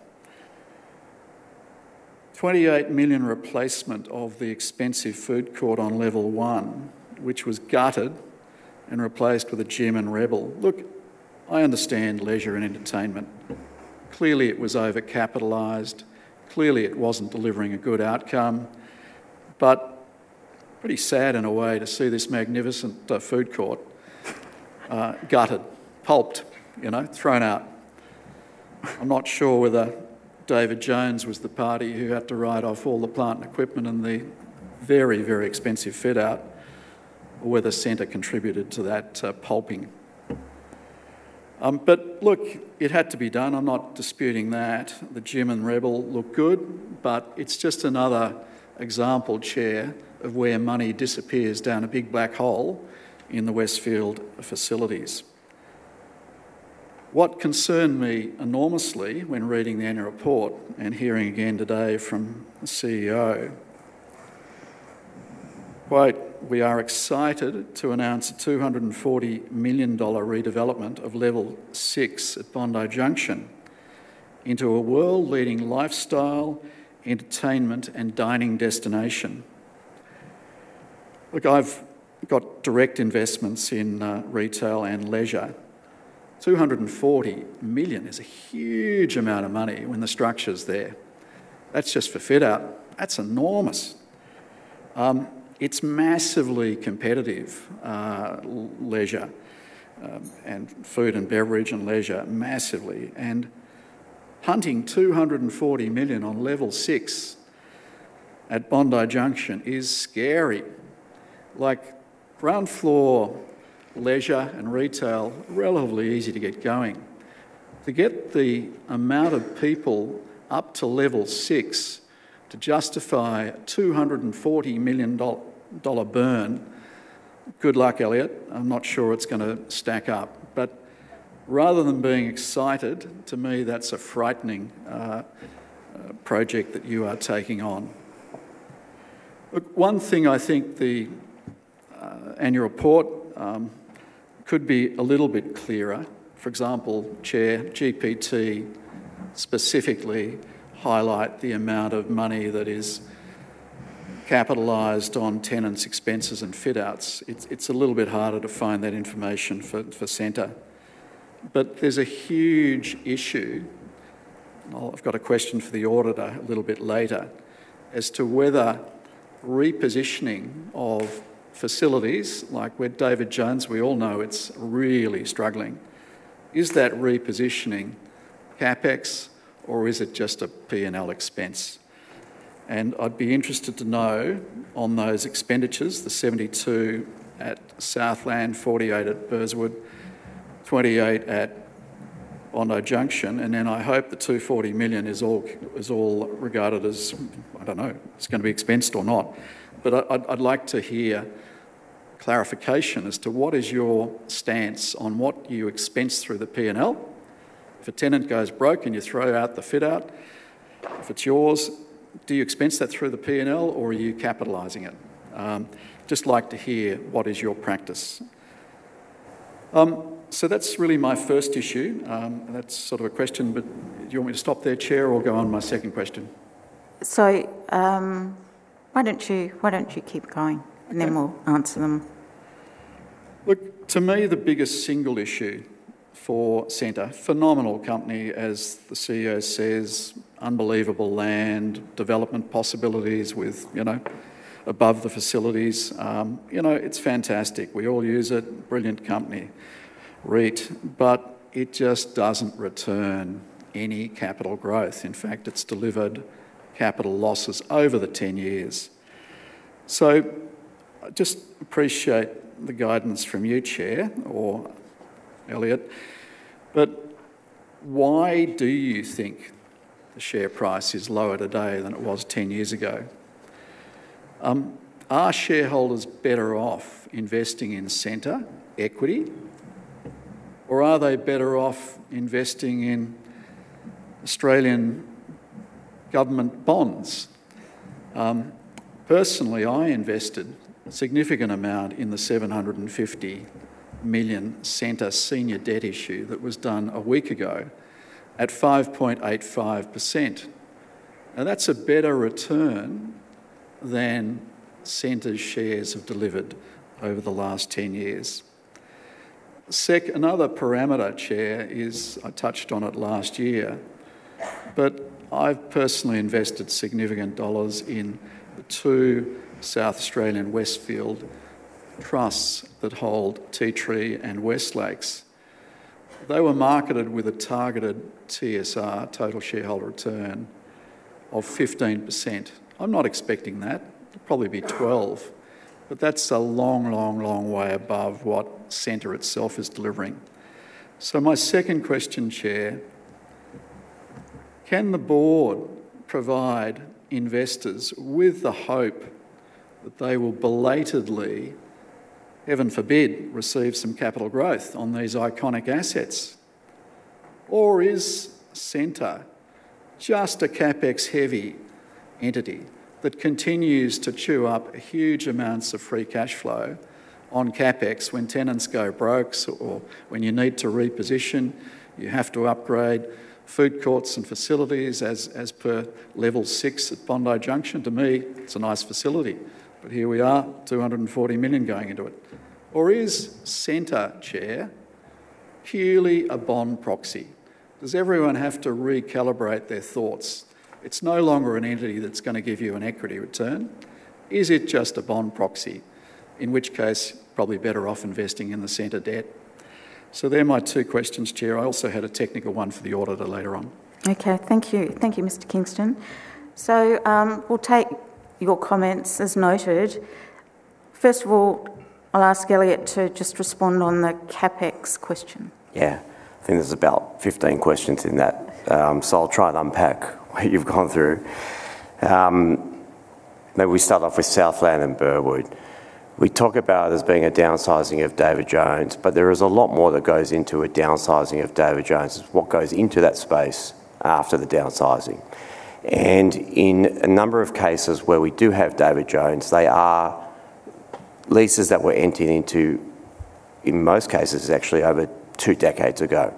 S5: 28 million replacement of the expensive food court on level one, which was gutted and replaced with a gym and Rebel. Look, I understand leisure and entertainment. Clearly, it was overcapitalized. Clearly, it wasn't delivering a good outcome. Pretty sad in a way to see this magnificent food court gutted, pulped, thrown out. I'm not sure whether David Jones was the party who had to write off all the plant and equipment and the very, very expensive fit out, or whether Scentre contributed to that pulping. Look, it had to be done. I'm not disputing that. The gym and Rebel look good, but it's just another example, Chair, of where money disappears down a big black hole in the Westfield facilities. What concerned me enormously when reading the annual report and hearing again today from the CEO, quote, "We are excited to announce a 240 million dollar redevelopment of level six at Bondi Junction into a world-leading lifestyle, entertainment, and dining destination." Look, I've got direct investments in retail and leisure. 240 million is a huge amount of money when the structure's there. That's just for fit out. That's enormous. It's massively competitive, leisure and food and beverage and leisure, massively, and punting 240 million on level six at Bondi Junction is scary. Ground floor leisure and retail, relatively easy to get going. To get the amount of people up to level six to justify a 240 million dollar burn, good luck, Elliott. I'm not sure it's going to stack up. Rather than being excited, to me, that's a frightening project that you are taking on. One thing I think the annual report could be a little bit clearer, for example, Chair, GPT specifically highlight the amount of money that is capitalized on tenants' expenses and fit outs. It's a little bit harder to find that information for Scentre. There's a huge issue. I've got a question for the auditor a little bit later as to whether repositioning of facilities, like with David Jones, we all know it's really struggling. Is that repositioning CapEx, or is it just a P&L expense? I'd be interested to know on those expenditures, the 72 million at Southland, 48 million at Burwood, 28 million at Bondi Junction, and then I hope the 240 million is all regarded as, I don't know, it's going to be expensed or not. I'd like to hear clarification as to what is your stance on what you expense through the P&L. If a tenant goes broke and you throw out the fit out, if it's yours, do you expense that through the P&L or are you capitalizing it? Just like to hear what is your practice. That's really my first issue. That's sort of a question, but do you want me to stop there, Chair, or go on my second question?
S1: Why don't you keep going, and then we'll answer them?
S5: Look, to me, the biggest single issue for Scentre, phenomenal company as the CEO says, unbelievable land development possibilities above the facilities. It's fantastic. We all use it, brilliant company, REIT, but it just doesn't return any capital growth. In fact, it's delivered capital losses over the 10 years. I just appreciate the guidance from you, Chair or Elliott, but why do you think the share price is lower today than it was 10 years ago? Are shareholders better off investing in Scentre equity, or are they better off investing in Australian government bonds? Personally, I invested a significant amount in the $750 million Scentre senior debt issue that was done a week ago at 5.85%. Now, that's a better return than Scentre's shares have delivered over the last 10 years. Another parameter, Chair, is, I touched on it last year, but I've personally invested significant dollars in the two South Australian Westfield trusts that hold Tea Tree and West Lakes. They were marketed with a targeted TSR, total shareholder return, of 15%. I'm not expecting that. It'll probably be 12%, but that's a long, long, long way above what Scentre itself is delivering. My second question, Chair, can the board provide investors with the hope that they will belatedly, heaven forbid, receive some capital growth on these iconic assets? Or is Scentre just a CapEx-heavy entity that continues to chew up huge amounts of free cash flow on CapEx when tenants go broke or when you need to reposition, you have to upgrade food courts and facilities as per level six at Bondi Junction. To me, it's a nice facility, but here we are, 240 million going into it. Is Scentre, Chair, purely a bond proxy? Does everyone have to recalibrate their thoughts? It's no longer an entity that's going to give you an equity return. Is it just a bond proxy? In which case, probably better off investing in the Scentre debt. They're my two questions, Chair. I also had a technical one for the auditor later on.
S1: Okay. Thank you, Mr. Kingston. We'll take your comments as noted. First of all, I'll ask Elliott to just respond on the CapEx question.
S3: Yeah. I think there's about 15 questions in that. I'll try and unpack what you've gone through. Maybe we start off with Southland and Burwood. We talk about it as being a downsizing of David Jones, but there is a lot more that goes into a downsizing of David Jones. It's what goes into that space after the downsizing. In a number of cases where we do have David Jones, they are leases that were entered into, in most cases, actually over two decades ago.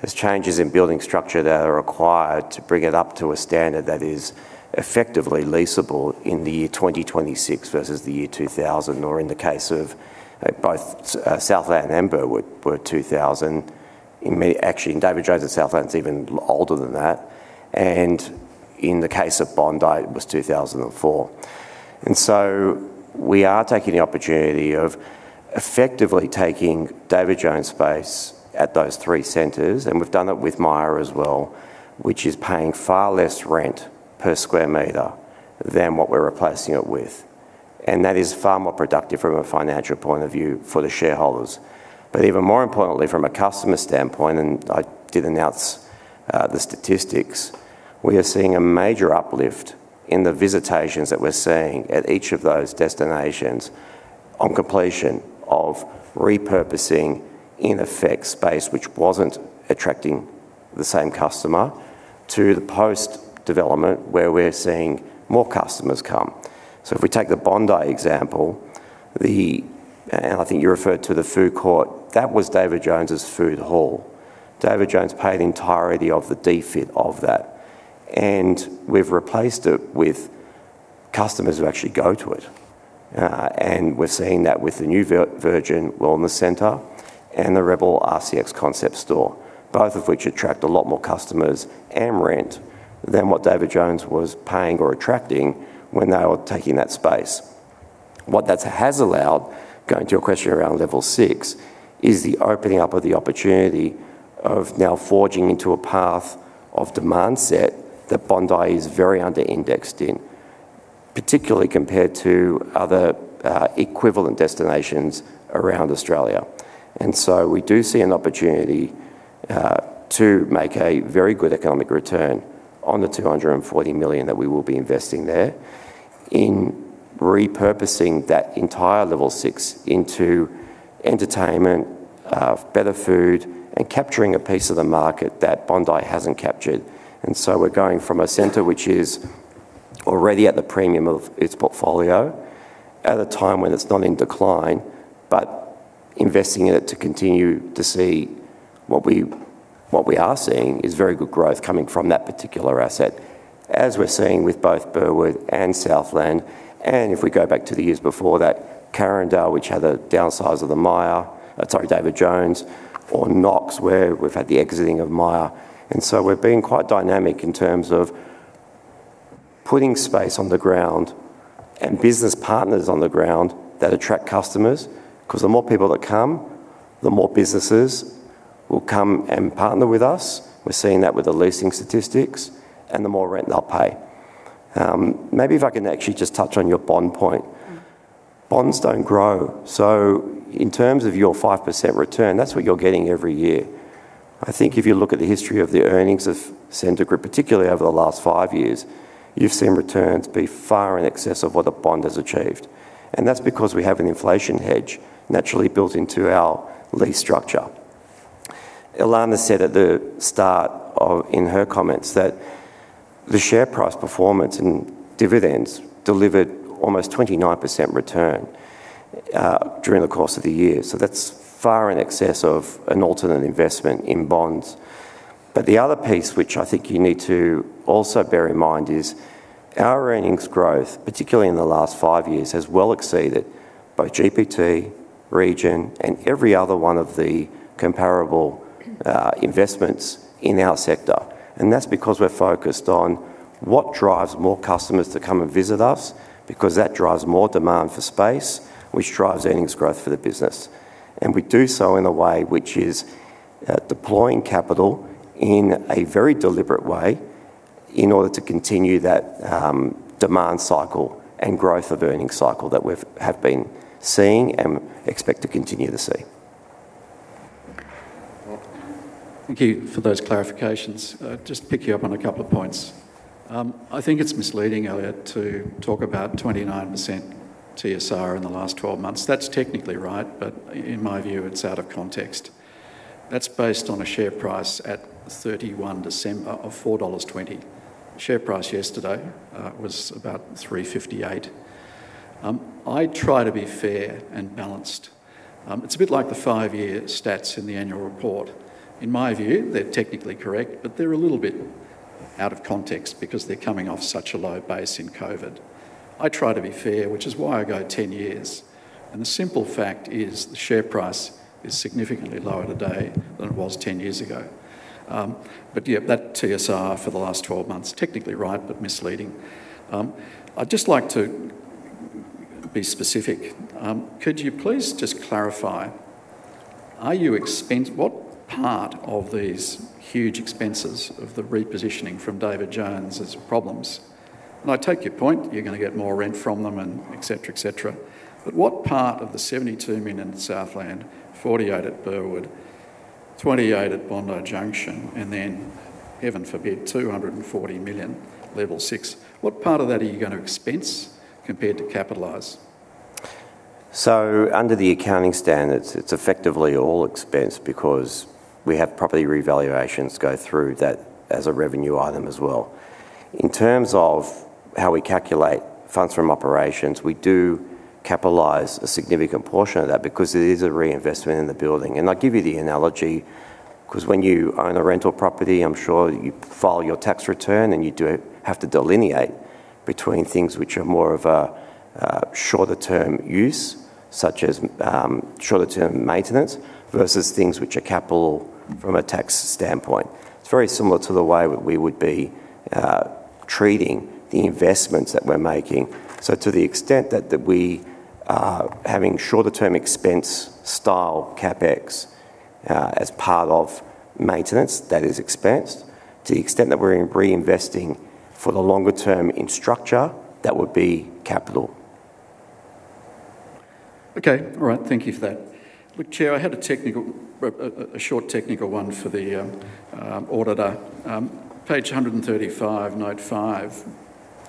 S3: There's changes in building structure that are required to bring it up to a standard that is effectively leasable in the year 2026 versus the year 2000, or in the case of both Southland and Burwood were 2000. Actually, David Jones at Southland's even older than that. In the case of Bondi, it was 2004. We are taking the opportunity of effectively taking David Jones' space at those three centers, and we've done it with Myer as well, which is paying far less rent per square meter than what we're replacing it with. That is far more productive from a financial point of view for the shareholders. Even more importantly, from a customer standpoint, and I did announce the statistics, we are seeing a major uplift in the visitations that we're seeing at each of those destinations on completion of repurposing, in effect, space which wasn't attracting the same customer to the post-development where we're seeing more customers come. If we take the Bondi example, and I think you referred to the food court, that was David Jones' food hall. David Jones paid the entirety of the fit-out of that, and we've replaced it with customers who actually go to it. We're seeing that with the new Virgin Wellness Center and the rebel rcx concept store, both of which attract a lot more customers and rent than what David Jones was paying or attracting when they were taking that space. What that has allowed, going to your question around level six, is the opening up of the opportunity of now forging into a path of demand set that Bondi is very under-indexed in, particularly compared to other equivalent destinations around Australia. We do see an opportunity to make a very good economic return on the 240 million that we will be investing there in repurposing that entire level six into entertainment, better food, and capturing a piece of the market that Bondi hasn't captured. We're going from a center which is already at the premium of its portfolio at a time when it's not in decline, but investing in it to continue to see. What we are seeing is very good growth coming from that particular asset, as we're seeing with both Burwood and Southland, and if we go back to the years before that, Carindale, which had a downsize of the David Jones or Knox, where we've had the exiting of Myer. We're being quite dynamic in terms of putting space on the ground and business partners on the ground that attract customers, because the more people that come, the more businesses will come and partner with us, we're seeing that with the leasing statistics, and the more rent they'll pay. Maybe if I can actually just touch on your bond point. Bonds don't grow. In terms of your 5% return, that's what you're getting every year. I think if you look at the history of the earnings of Scentre Group, particularly over the last five years, you've seen returns be far in excess of what a bond has achieved. That's because we have an inflation hedge naturally built into our lease structure. Ilana said at the start in her comments that the share price performance and dividends delivered almost 29% return during the course of the year. That's far in excess of an alternate investment in bonds. The other piece which I think you need to also bear in mind is our earnings growth, particularly in the last five years, has well exceeded both GPT, Region, and every other one of the comparable investments in our sector. That's because we're focused on what drives more customers to come and visit us, because that drives more demand for space, which drives earnings growth for the business. We do so in a way which is deploying capital in a very deliberate way in order to continue that demand cycle and growth of earnings cycle that we have been seeing and expect to continue to see.
S5: Thank you for those clarifications. Just pick you up on a couple of points. I think it's misleading, Elliott, to talk about 29% TSR in the last 12 months. That's technically right, but in my view, it's out of context. That's based on a share price at 31 December of 4.20 dollars. Share price yesterday was about 3.58. I try to be fair and balanced. It's a bit like the five-year stats in the annual report. In my view, they're technically correct, but they're a little bit out of context because they're coming off such a low base in COVID. I try to be fair, which is why I go 10 years. And the simple fact is the share price is significantly lower today than it was 10 years ago. Yeah, that TSR for the last 12 months, technically right, but misleading. I'd just like to be specific. Could you please just clarify, what part of these huge expenses of the repositioning from David Jones as problems? I take your point, you're going to get more rent from them and et cetera. What part of the 72 million at Southland, 48 million at Burwood, 28 million at Bondi Junction, and then, heaven forbid, 240 million Level Six, what part of that are you going to expense compared to capitalize?
S3: Under the accounting standards, it's effectively all expense because we have property revaluations go through that as a revenue item as well. In terms of how we calculate funds from operations, we do capitalize a significant portion of that because it is a reinvestment in the building. I give you the analogy, because when you own a rental property, I'm sure you file your tax return and you have to delineate between things which are more of a shorter term use, such as shorter term maintenance, versus things which are capital from a tax standpoint. It's very similar to the way we would be treating the investments that we're making. To the extent that we are having shorter term expense style CapEx as part of maintenance, that is expensed. To the extent that we're reinvesting for the longer term in structure, that would be capital.
S5: Okay. All right. Thank you for that. Look, Chair, I had a short technical one for the auditor. Page 135, note 5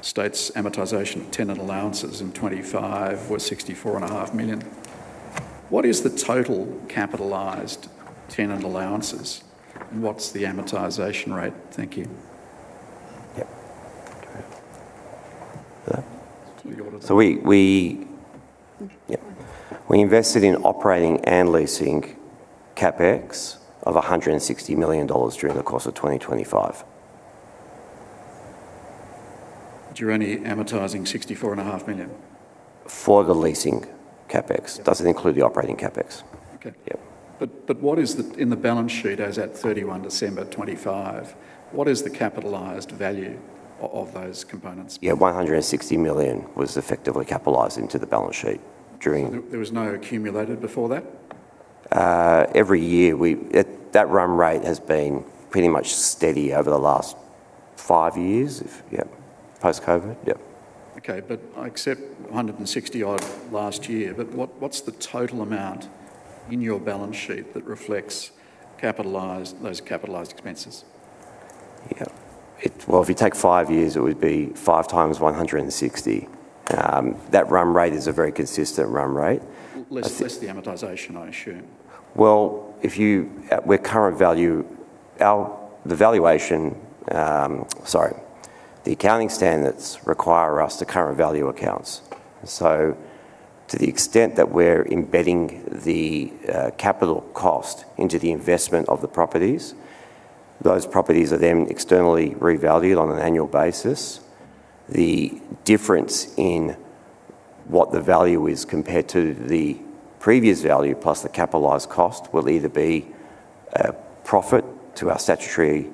S5: states amortization of tenant allowances in 2025 was 64.5 million. What is the total capitalized tenant allowances, and what's the amortization rate? Thank you.
S3: Yep. Okay. For that?
S5: To the auditor.
S3: Yeah, we invested in operating and leasing CapEx of 160 million dollars during the course of 2025.
S5: You're only amortizing 64.5 million.
S3: For the leasing CapEx. Doesn't include the operating CapEx.
S5: Okay. What is in the balance sheet as at 31 December 2025, what is the capitalized value of those components?
S3: Yeah, 160 million was effectively capitalized into the balance sheet during.
S5: There was no accumulated before that?
S3: That run rate has been pretty much steady over the last five years. Yep. post-COVID. Yep.
S5: Okay. I accept 160 million odd last year, but what's the total amount in your balance sheet that reflects those capitalized expenses?
S3: Yeah. Well, if you take five years, it would be 5 x 160. That run rate is a very consistent run rate.
S5: Less the amortization, I assume.
S3: The accounting standards require us to current value accounts. To the extent that we're embedding the capital cost into the investment of the properties, those properties are then externally revalued on an annual basis. The difference in what the value is compared to the previous value plus the capitalized cost will either be a profit to our statutory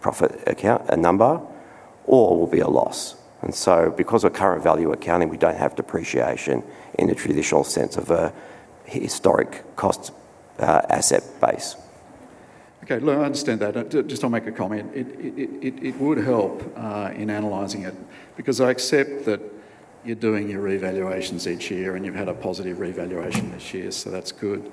S3: profit account, a number, or will be a loss. Because of current value accounting, we don't have depreciation in the traditional sense of a historic cost asset base.
S5: Okay. Look, I understand that. Just I'll make a comment. It would help in analyzing it, because I accept that you're doing your revaluations each year and you've had a positive revaluation this year, so that's good.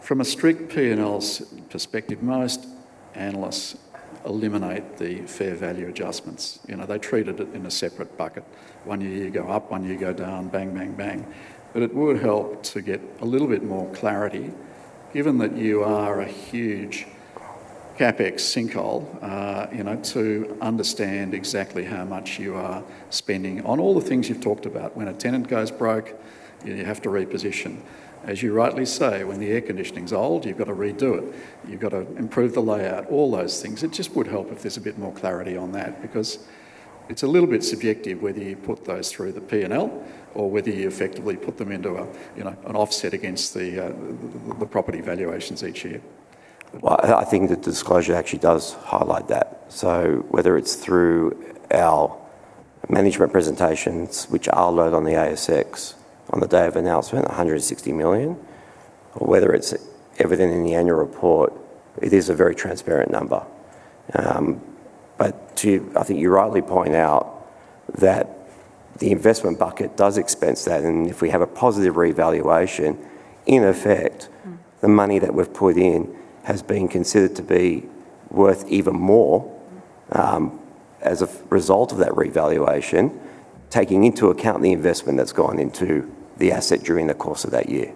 S5: From a strict P&L perspective, most analysts eliminate the fair value adjustments. They treated it in a separate bucket. One year you go up, one year you go down, bang, bang. It would help to get a little bit more clarity, given that you are a huge CapEx sinkhole, to understand exactly how much you are spending on all the things you've talked about. When a tenant goes broke, you have to reposition. As you rightly say, when the air conditioning's old, you've got to redo it. You've got to improve the layout, all those things. It just would help if there's a bit more clarity on that because it's a little bit subjective whether you put those through the P&L or whether you effectively put them into an offset against the property valuations each year.
S3: Well, I think the disclosure actually does highlight that. Whether it's through our management presentations, which I'll load on the ASX on the day of announcement, 160 million, or whether it's evident in the annual report, it is a very transparent number. I think you rightly point out that the investment bucket does expense that and if we have a positive revaluation, in effect, the money that we've put in has been considered to be worth even more as a result of that revaluation, taking into account the investment that's gone into the asset during the course of that year.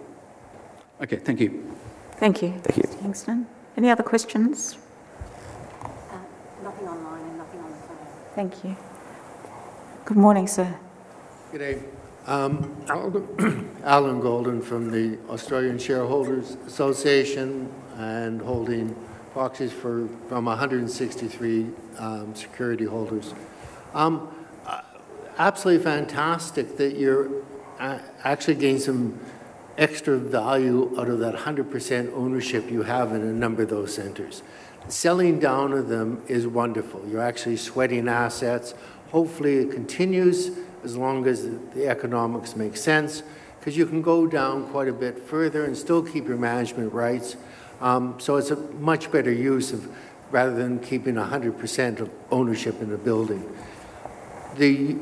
S5: Okay. Thank you.
S1: Thank you.
S3: Thank you.
S1: Mr. Kingston. Any other questions?
S2: Nothing online and nothing on the phone.
S1: Thank you. Good morning, sir.
S6: G'day. Allan Goldin from the Australian Shareholders' Association and holding proxies from 163 security holders. Absolutely fantastic that you're actually getting some extra value out of that 100% ownership you have in a number of those centers. Selling down of them is wonderful. You're actually sweating assets. Hopefully, it continues as long as the economics make sense because you can go down quite a bit further and still keep your management rights. It's a much better use rather than keeping 100% of ownership in a building. The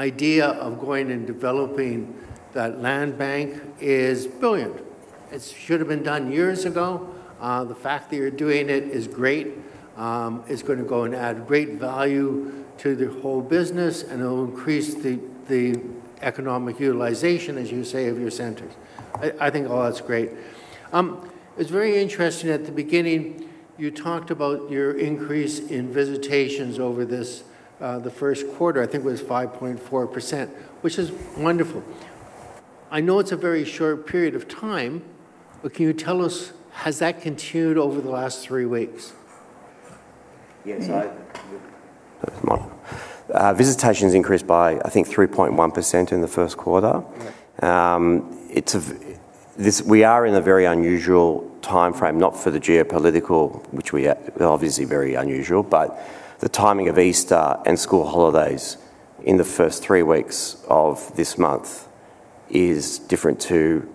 S6: idea of going and developing that land bank is brilliant. It should've been done years ago. The fact that you're doing it is great. It's going to go and add great value to the whole business and it'll increase the economic utilization, as you say, of your centers. I think all that's great. It's very interesting at the beginning you talked about your increase in visitations over the first quarter, I think it was 5.4%, which is wonderful. I know it's a very short period of time, but can you tell us, has that continued over the last three weeks?
S3: Yes. Visitation's increased by, I think 3.1% in the first quarter. We are in a very unusual timeframe, not for the geopolitical, which are obviously very unusual, but the timing of Easter and school holidays in the first three weeks of this month is different to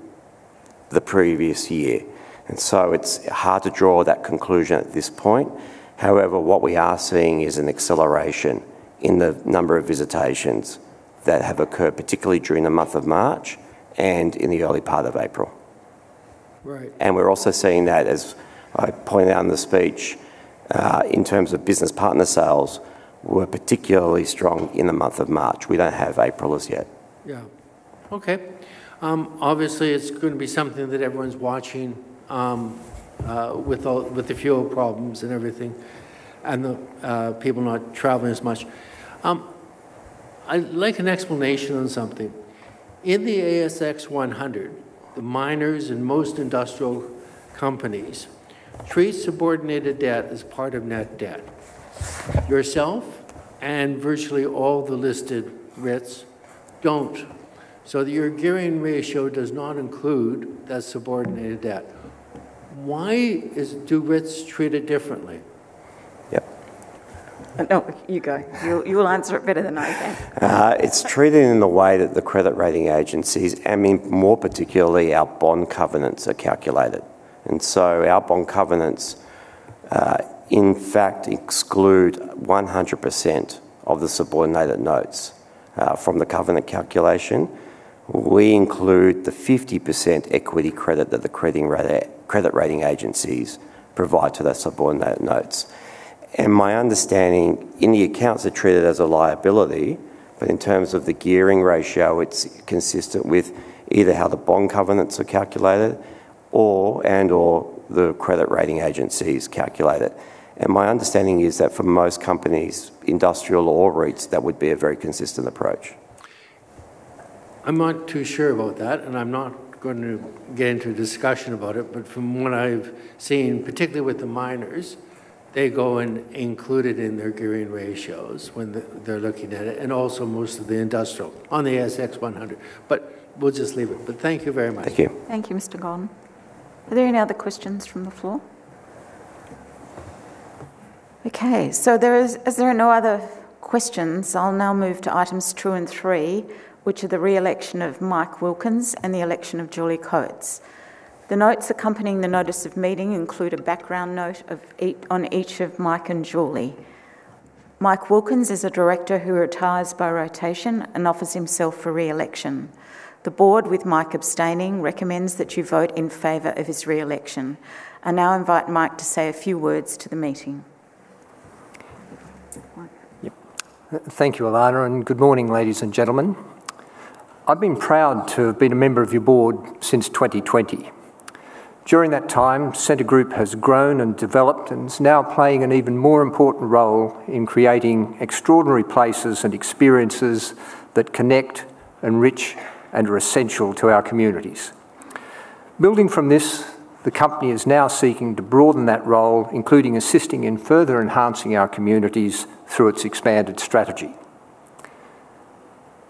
S3: the previous year. It's hard to draw that conclusion at this point. However, what we are seeing is an acceleration in the number of visitations that have occurred, particularly during the month of March and in the early part of April. We're also seeing that, as I pointed out in the speech, in terms of business partner sales were particularly strong in the month of March. We don't have April as yet.
S6: Yeah. Okay. Obviously, it's going to be something that everyone's watching with the fuel problems and everything, and the people not traveling as much. I'd like an explanation on something. In the ASX 100, the miners and most industrial companies treat subordinated debt as part of net debt. Yourself and virtually all the listed REITs don't. Your gearing ratio does not include that subordinated debt. Why do REITs treat it differently?
S3: Yep.
S1: Oh, you go. You will answer it better than I can.
S3: It's treated in the way that the credit rating agencies, and more particularly, our bond covenants are calculated. Our bond covenants in fact exclude 100% of the subordinated notes from the covenant calculation. We include the 50% equity credit that the credit rating agencies provide to the subordinate notes. My understanding, in the accounts they're treated as a liability. In terms of the gearing ratio, it's consistent with either how the bond covenants are calculated and/or the credit rating agencies calculate it. My understanding is that for most companies, industrial or REITs, that would be a very consistent approach.
S6: I'm not too sure about that, and I'm not going to get into a discussion about it, but from what I've seen, particularly with the miners, they go and include it in their gearing ratios when they're looking at it, and also most of the industrial on the ASX 100. We'll just leave it. Thank you very much.
S3: Thank you.
S1: Thank you, Mr. Goldin. Are there any other questions from the floor? Okay. As there are no other questions, I'll now move to items two and three, which are the re-election of Mike Wilkins and the election of Julie Coates. The notes accompanying the notice of meeting include a background note on each of Mike and Julie. Mike Wilkins is a director who retires by rotation and offers himself for re-election. The board, with Mike abstaining, recommends that you vote in favor of his re-election. I now invite Mike to say a few words to the meeting. Mike?
S7: Yep. Thank you, Ilana, and good morning, ladies and gentlemen. I've been proud to have been a member of your board since 2020. During that time, Scentre Group has grown and developed and is now playing an even more important role in creating extraordinary places and experiences that connect, enrich, and are essential to our communities. Building from this, the company is now seeking to broaden that role, including assisting in further enhancing our communities through its expanded strategy.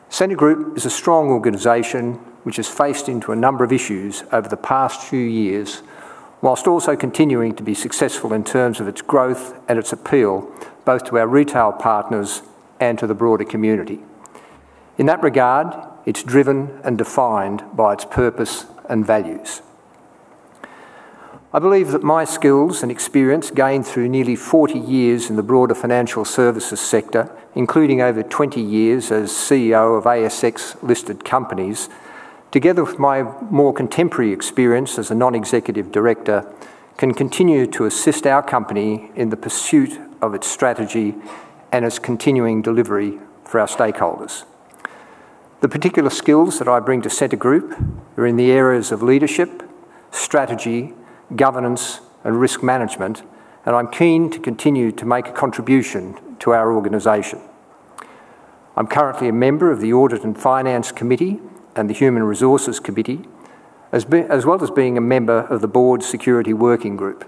S7: Scentre Group is a strong organization, which has faced into a number of issues over the past few years, while also continuing to be successful in terms of its growth and its appeal, both to our retail partners and to the broader community. In that regard, it's driven and defined by its purpose and values. I believe that my skills and experience gained through nearly 40 years in the broader financial services sector, including over 20 years as CEO of ASX-listed companies, together with my more contemporary experience as a non-executive director, can continue to assist our company in the pursuit of its strategy and its continuing delivery for our stakeholders. The particular skills that I bring to Scentre Group are in the areas of leadership, strategy, governance, and risk management, and I'm keen to continue to make a contribution to our organization. I'm currently a member of the Audit and Finance Committee and the Human Resources Committee, as well as being a member of the board's Security Working Group.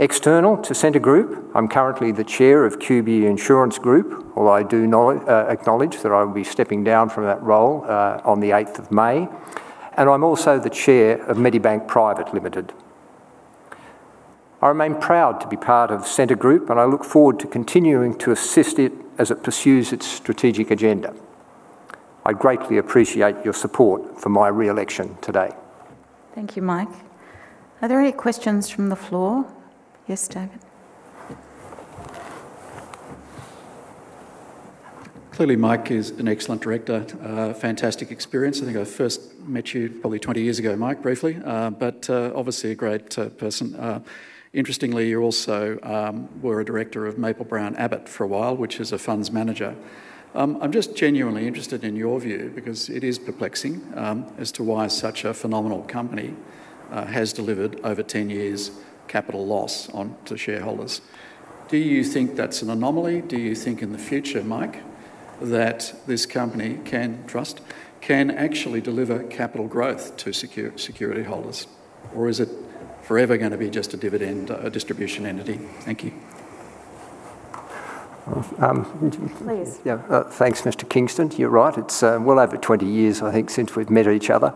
S7: External to Scentre Group, I'm currently the chair of QBE Insurance Group, although I do acknowledge that I will be stepping down from that role on the 8th of May, and I'm also the chair of Medibank Private Limited. I remain proud to be part of Scentre Group, and I look forward to continuing to assist it as it pursues its strategic agenda. I greatly appreciate your support for my re-election today.
S1: Thank you, Mike. Are there any questions from the floor? Yes, David.
S5: Clearly, Mike is an excellent director. Fantastic experience. I think I first met you probably 20 years ago, Mike, briefly. Obviously a great person. Interestingly, you also were a director of Maple-Brown Abbott for a while, which is a funds manager. I'm just genuinely interested in your view because it is perplexing as to why such a phenomenal company has delivered over 10 years capital loss on to shareholders. Do you think that's an anomaly? Do you think in the future, Mike, that this company, trust, can actually deliver capital growth to security holders? Or is it forever going to be just a dividend distribution entity? Thank you.
S1: Please.
S7: Yeah. Thanks, Mr. Kingston. You're right, it's well over 20 years, I think, since we've met each other.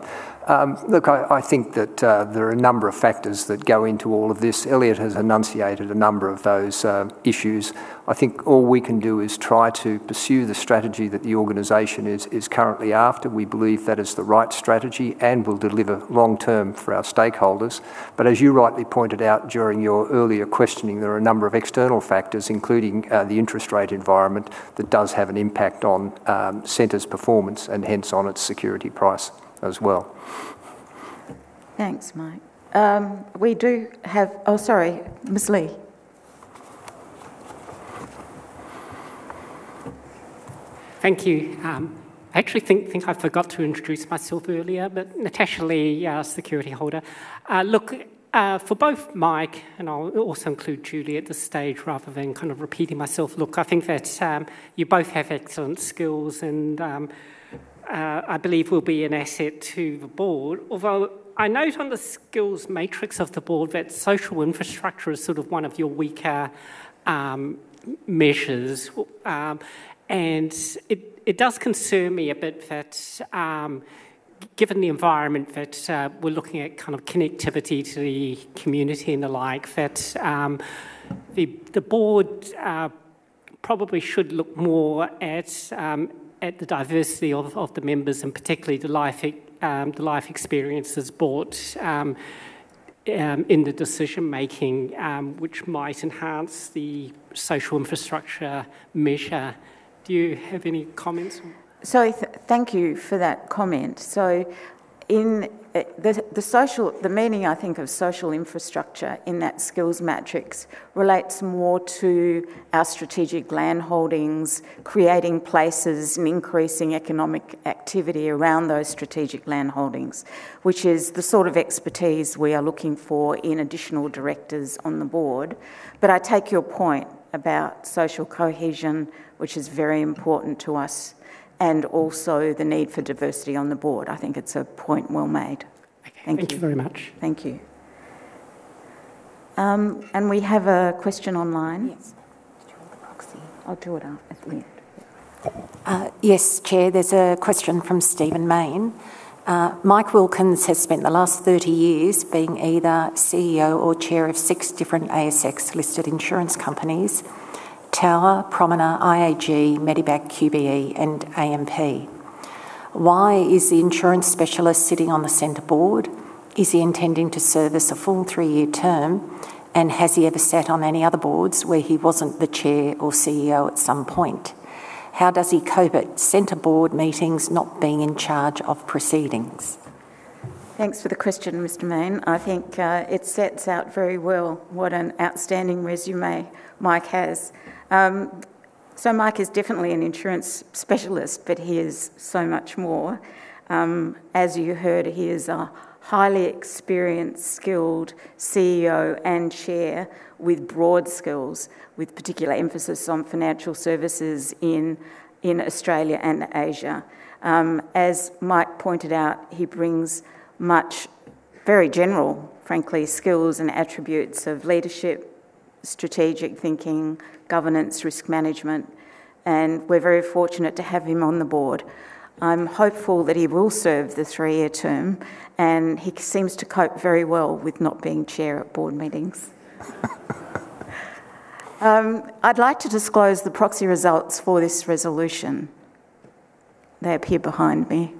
S7: Look, I think that there are a number of factors that go into all of this. Elliott has enunciated a number of those issues. I think all we can do is try to pursue the strategy that the organization is currently after. We believe that is the right strategy and will deliver long-term for our stakeholders. As you rightly pointed out during your earlier questioning, there are a number of external factors, including the interest rate environment, that does have an impact on Scentre's performance and hence on its security price as well.
S1: Thanks, Mike. Ms. Lee?
S4: Thank you. I actually think I forgot to introduce myself earlier, but Natasha Lee, security holder. Look, for both Mike, and I'll also include Julie at this stage rather than kind of repeating myself, look, I think that you both have excellent skills, and I believe will be an asset to the board. Although, I note on the skills matrix of the board that social infrastructure is sort of one of your weaker measures. It does concern me a bit that given the environment that we're looking at kind of connectivity to the community and the like, that the board probably should look more at the diversity of the members and particularly the life experiences brought in the decision-making, which might enhance the social infrastructure measure. Do you have any comments?
S1: Thank you for that comment. The meaning, I think, of social infrastructure in that skills matrix relates more to our strategic land holdings, creating places, and increasing economic activity around those strategic land holdings, which is the sort of expertise we are looking for in additional directors on the board. I take your point about social cohesion, which is very important to us, and also the need for diversity on the board. I think it's a point well made. Okay. Thank you.
S4: Thank you very much.
S1: Thank you. We have a question online.
S2: Yes. Did you hold the proxy?
S1: I'll do it at the end.
S2: Yes, Chair. There's a question from Stephen Mayne. Mike Wilkins has spent the last 30 years being either CEO or Chair of six different ASX-listed insurance companies, Tower, Promina, IAG, Medibank, QBE, and AMP. Why is the insurance specialist sitting on the Scentre board? Is he intending to service a full three-year term? Has he ever sat on any other boards where he wasn't the Chair or CEO at some point? How does he cope at Scentre board meetings not being in charge of proceedings?
S1: Thanks for the question, Mr. Mayne. I think it sets out very well what an outstanding resume Mike has. Mike is definitely an insurance specialist, but he is so much more. As you heard, he is a highly experienced, skilled CEO and chair with broad skills, with particular emphasis on financial services in Australia and Asia. As Mike pointed out, he brings very general, frankly, skills and attributes of leadership, strategic thinking, governance, risk management, and we're very fortunate to have him on the board. I'm hopeful that he will serve the three-year term, and he seems to cope very well with not being chair at board meetings. I'd like to disclose the proxy results for this resolution. They appear behind me.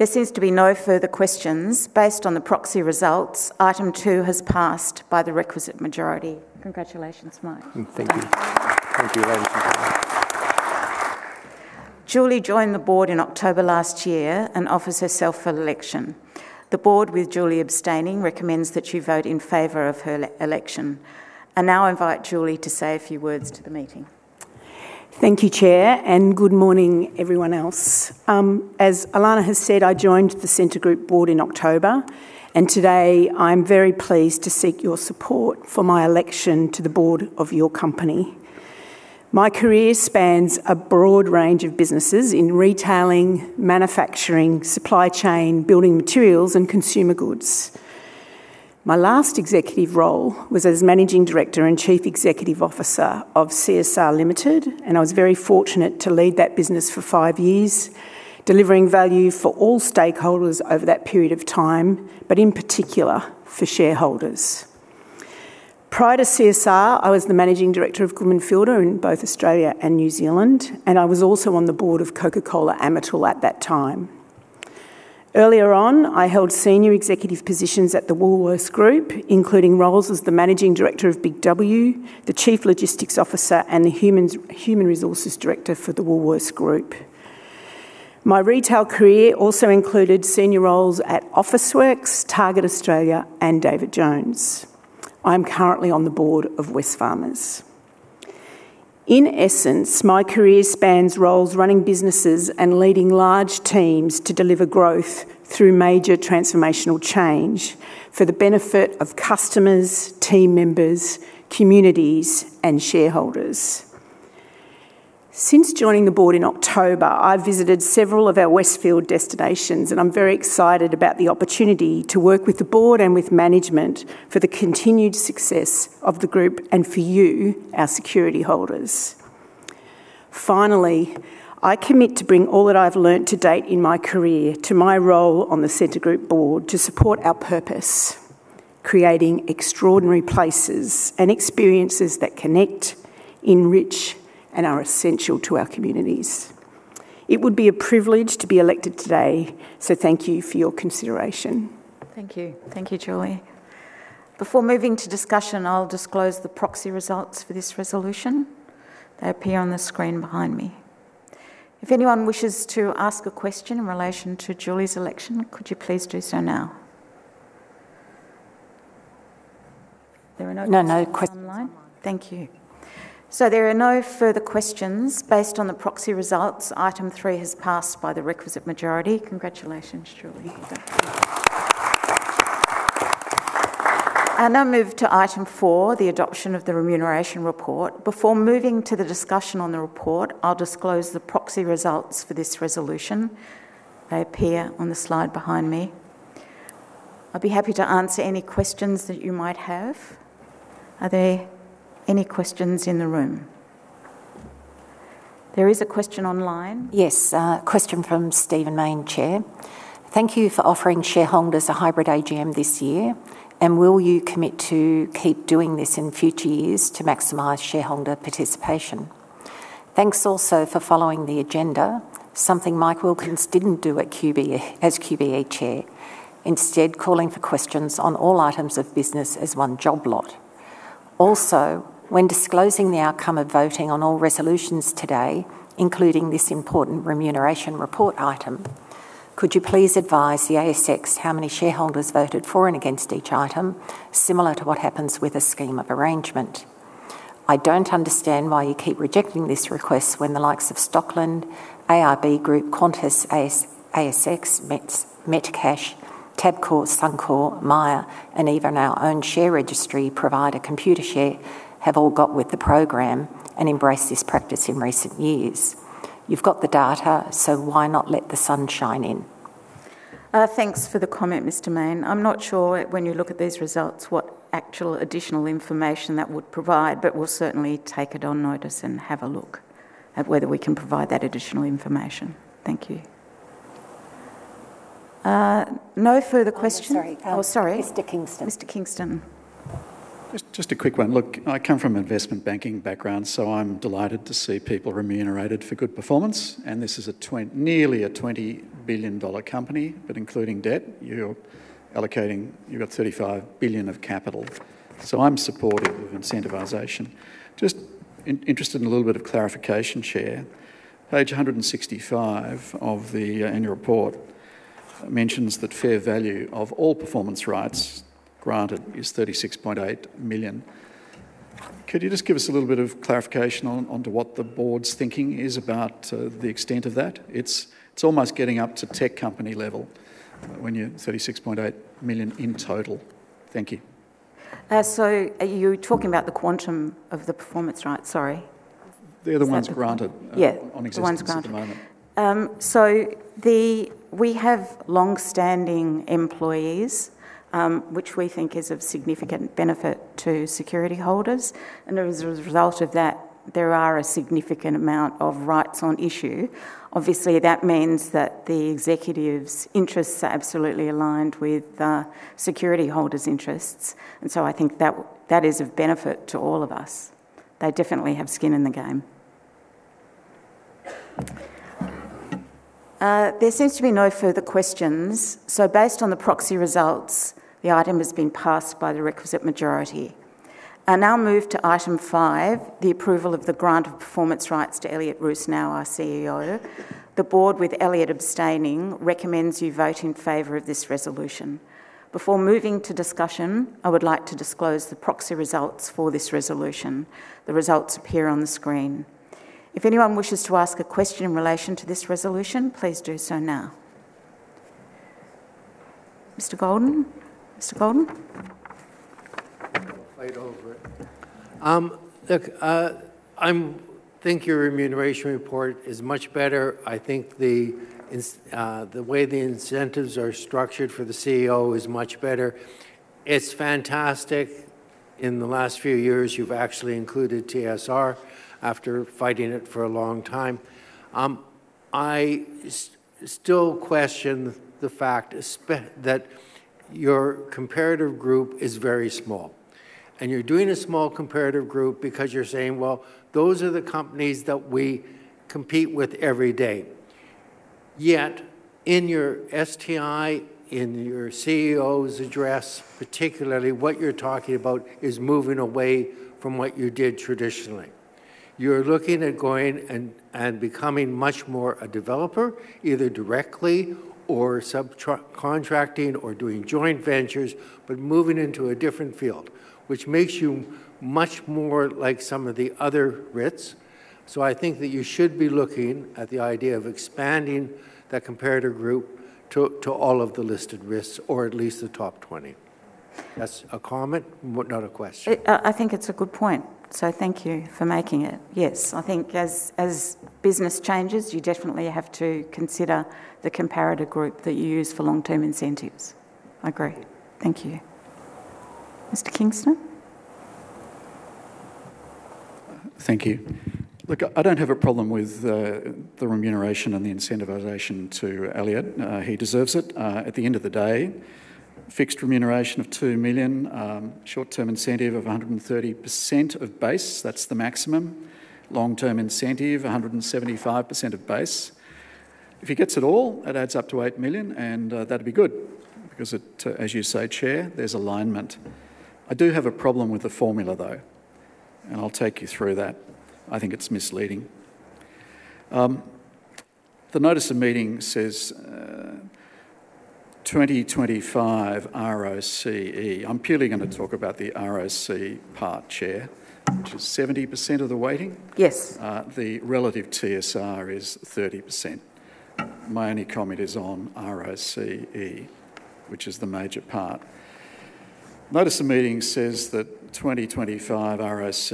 S1: There seems to be no further questions. Based on the proxy results, item two has passed by the requisite majority. Congratulations, Mike.
S7: Thank you. Thank you, ladies and gentlemen.
S1: Julie joined the board in October last year and offers herself for election. The board, with Julie abstaining, recommends that you vote in favor of her election. I now invite Julie to say a few words to the meeting.
S8: Thank you, Chair, and good morning, everyone else. As Ilana has said, I joined the Scentre Group board in October, and today I'm very pleased to seek your support for my election to the board of your company. My career spans a broad range of businesses in retailing, manufacturing, supply chain, building materials, and consumer goods. My last executive role was as Managing Director and Chief Executive Officer of CSR Limited, and I was very fortunate to lead that business for five years, delivering value for all stakeholders over that period of time, but in particular for shareholders. Prior to CSR, I was the Managing Director of Goodman Fielder in both Australia and New Zealand, and I was also on the board of Coca-Cola Amatil at that time. Earlier on, I held senior executive positions at the Woolworths Group, including roles as the managing director of Big W, the chief logistics officer, and the human resources director for the Woolworths Group. My retail career also included senior roles at Officeworks, Target Australia, and David Jones. I'm currently on the board of Wesfarmers. In essence, my career spans roles running businesses and leading large teams to deliver growth through major transformational change for the benefit of customers, team members, communities, and shareholders. Since joining the board in October, I've visited several of our Westfield destinations, and I'm very excited about the opportunity to work with the board and with management for the continued success of the group and for you, our security holders. Finally, I commit to bring all that I've learned to date in my career to my role on the Scentre Group board to support our purpose, creating extraordinary places and experiences that connect, enrich, and are essential to our communities. It would be a privilege to be elected today, so thank you for your consideration.
S1: Thank you. Thank you, Julie. Before moving to discussion, I'll disclose the proxy results for this resolution. They appear on the screen behind me. If anyone wishes to ask a question in relation to Julie's election, could you please do so now? There are no questions online.
S2: No, no questions online.
S1: Thank you. There are no further questions. Based on the proxy results, item three has passed by the requisite majority. Congratulations, Julie.
S8: Thank you.
S1: I now move to item four, the adoption of the remuneration report. Before moving to the discussion on the report, I'll disclose the proxy results for this resolution. They appear on the slide behind me. I'd be happy to answer any questions that you might have. Are there any questions in the room? There is a question online.
S2: Yes. A question from Stephen Mayne. Thank you for offering shareholders a hybrid AGM this year. Will you commit to keep doing this in future years to maximize shareholder participation? Thanks also for following the agenda, something Mike Wilkins didn't do as QBE Chair, instead calling for questions on all items of business as one job lot. Also, when disclosing the outcome of voting on all resolutions today, including this important remuneration report item, could you please advise the ASX how many shareholders voted for and against each item, similar to what happens with a scheme of arrangement? I don't understand why you keep rejecting this request when the likes of Stockland, ARB Group, Qantas, ASX, Metcash, Tabcorp, Suncorp, Myer, and even our own share registry provider, Computershare, have all got with the program and embraced this practice in recent years. You've got the data, so why not let the sun shine in?
S1: Thanks for the comment, Stephen Mayne. I'm not sure when you look at these results what actual additional information that would provide, but we'll certainly take it on notice and have a look at whether we can provide that additional information. Thank you. No further questions? Sorry?
S2: I'm sorry. Mr. Kingston.
S1: Mr. Kingston.
S5: Just a quick one. Look, I come from an investment banking background, so I'm delighted to see people remunerated for good performance, and this is nearly a 20 billion dollar company, but including debt, you're allocating, you've got 35 billion of capital. So I'm supportive of incentivization. Just interested in a little bit of clarification, Chair. Page 165 of the annual report mentions that fair value of all performance rights granted is 36.8 million. Could you just give us a little bit of clarification on to what the board's thinking is about the extent of that? It's almost getting up to tech company level when you're 36.8 million in total. Thank you.
S1: Are you talking about the quantum of the performance rights? Sorry.
S5: They're the ones granted on existence at the moment.
S1: Yeah, the ones granted. We have longstanding employees, which we think is of significant benefit to security holders, and as a result of that, there are a significant amount of rights on issue. Obviously, that means that the executives' interests are absolutely aligned with the security holders' interests, and so I think that is of benefit to all of us. They definitely have skin in the game. There seems to be no further questions. Based on the proxy results, the item has been passed by the requisite majority. I now move to item five, the approval of the grant of performance rights to Elliott Rusanow, our CEO. The board, with Elliott abstaining, recommends you vote in favor of this resolution. Before moving to discussion, I would like to disclose the proxy results for this resolution. The results appear on the screen. If anyone wishes to ask a question in relation to this resolution, please do so now. Mr. Goldin?
S6: I'll fight over it. Look, I think your remuneration report is much better. I think the way the incentives are structured for the CEO is much better. It's fantastic. In the last few years, you've actually included TSR after fighting it for a long time. I still question the fact that your comparative group is very small, and you're doing a small comparative group because you're saying, "Well, those are the companies that we compete with every day." Yet, in your STI, in your CEO's address, particularly what you're talking about is moving away from what you did traditionally. You're looking at going and becoming much more a developer, either directly or subcontracting or doing joint ventures, but moving into a different field, which makes you much more like some of the other REITs. I think that you should be looking at the idea of expanding that comparative group to all of the listed risks or at least the top 20. That's a comment, not a question.
S1: I think it's a good point, so thank you for making it. Yes, I think as business changes, you definitely have to consider the comparator group that you use for long-term incentives. I agree. Thank you. Mr. Kingston?
S5: Thank you. Look, I don't have a problem with the remuneration and the incentivization to Elliott. He deserves it. At the end of the day, fixed remuneration of 2 million, short-term incentive of 130% of base, that's the maximum. Long-term incentive, 175% of base. If he gets it all, it adds up to 8 million, and that'd be good because, as you say, Chair, there's alignment. I do have a problem with the formula, though, and I'll take you through that. I think it's misleading. The notice of meeting says 2025 ROCE. I'm purely going to talk about the ROC part, Chair, which is 70% of the weighting?
S1: Yes.
S5: The relative TSR is 30%. My only comment is on ROCE, which is the major part. Notice of meeting says that 2025 ROCE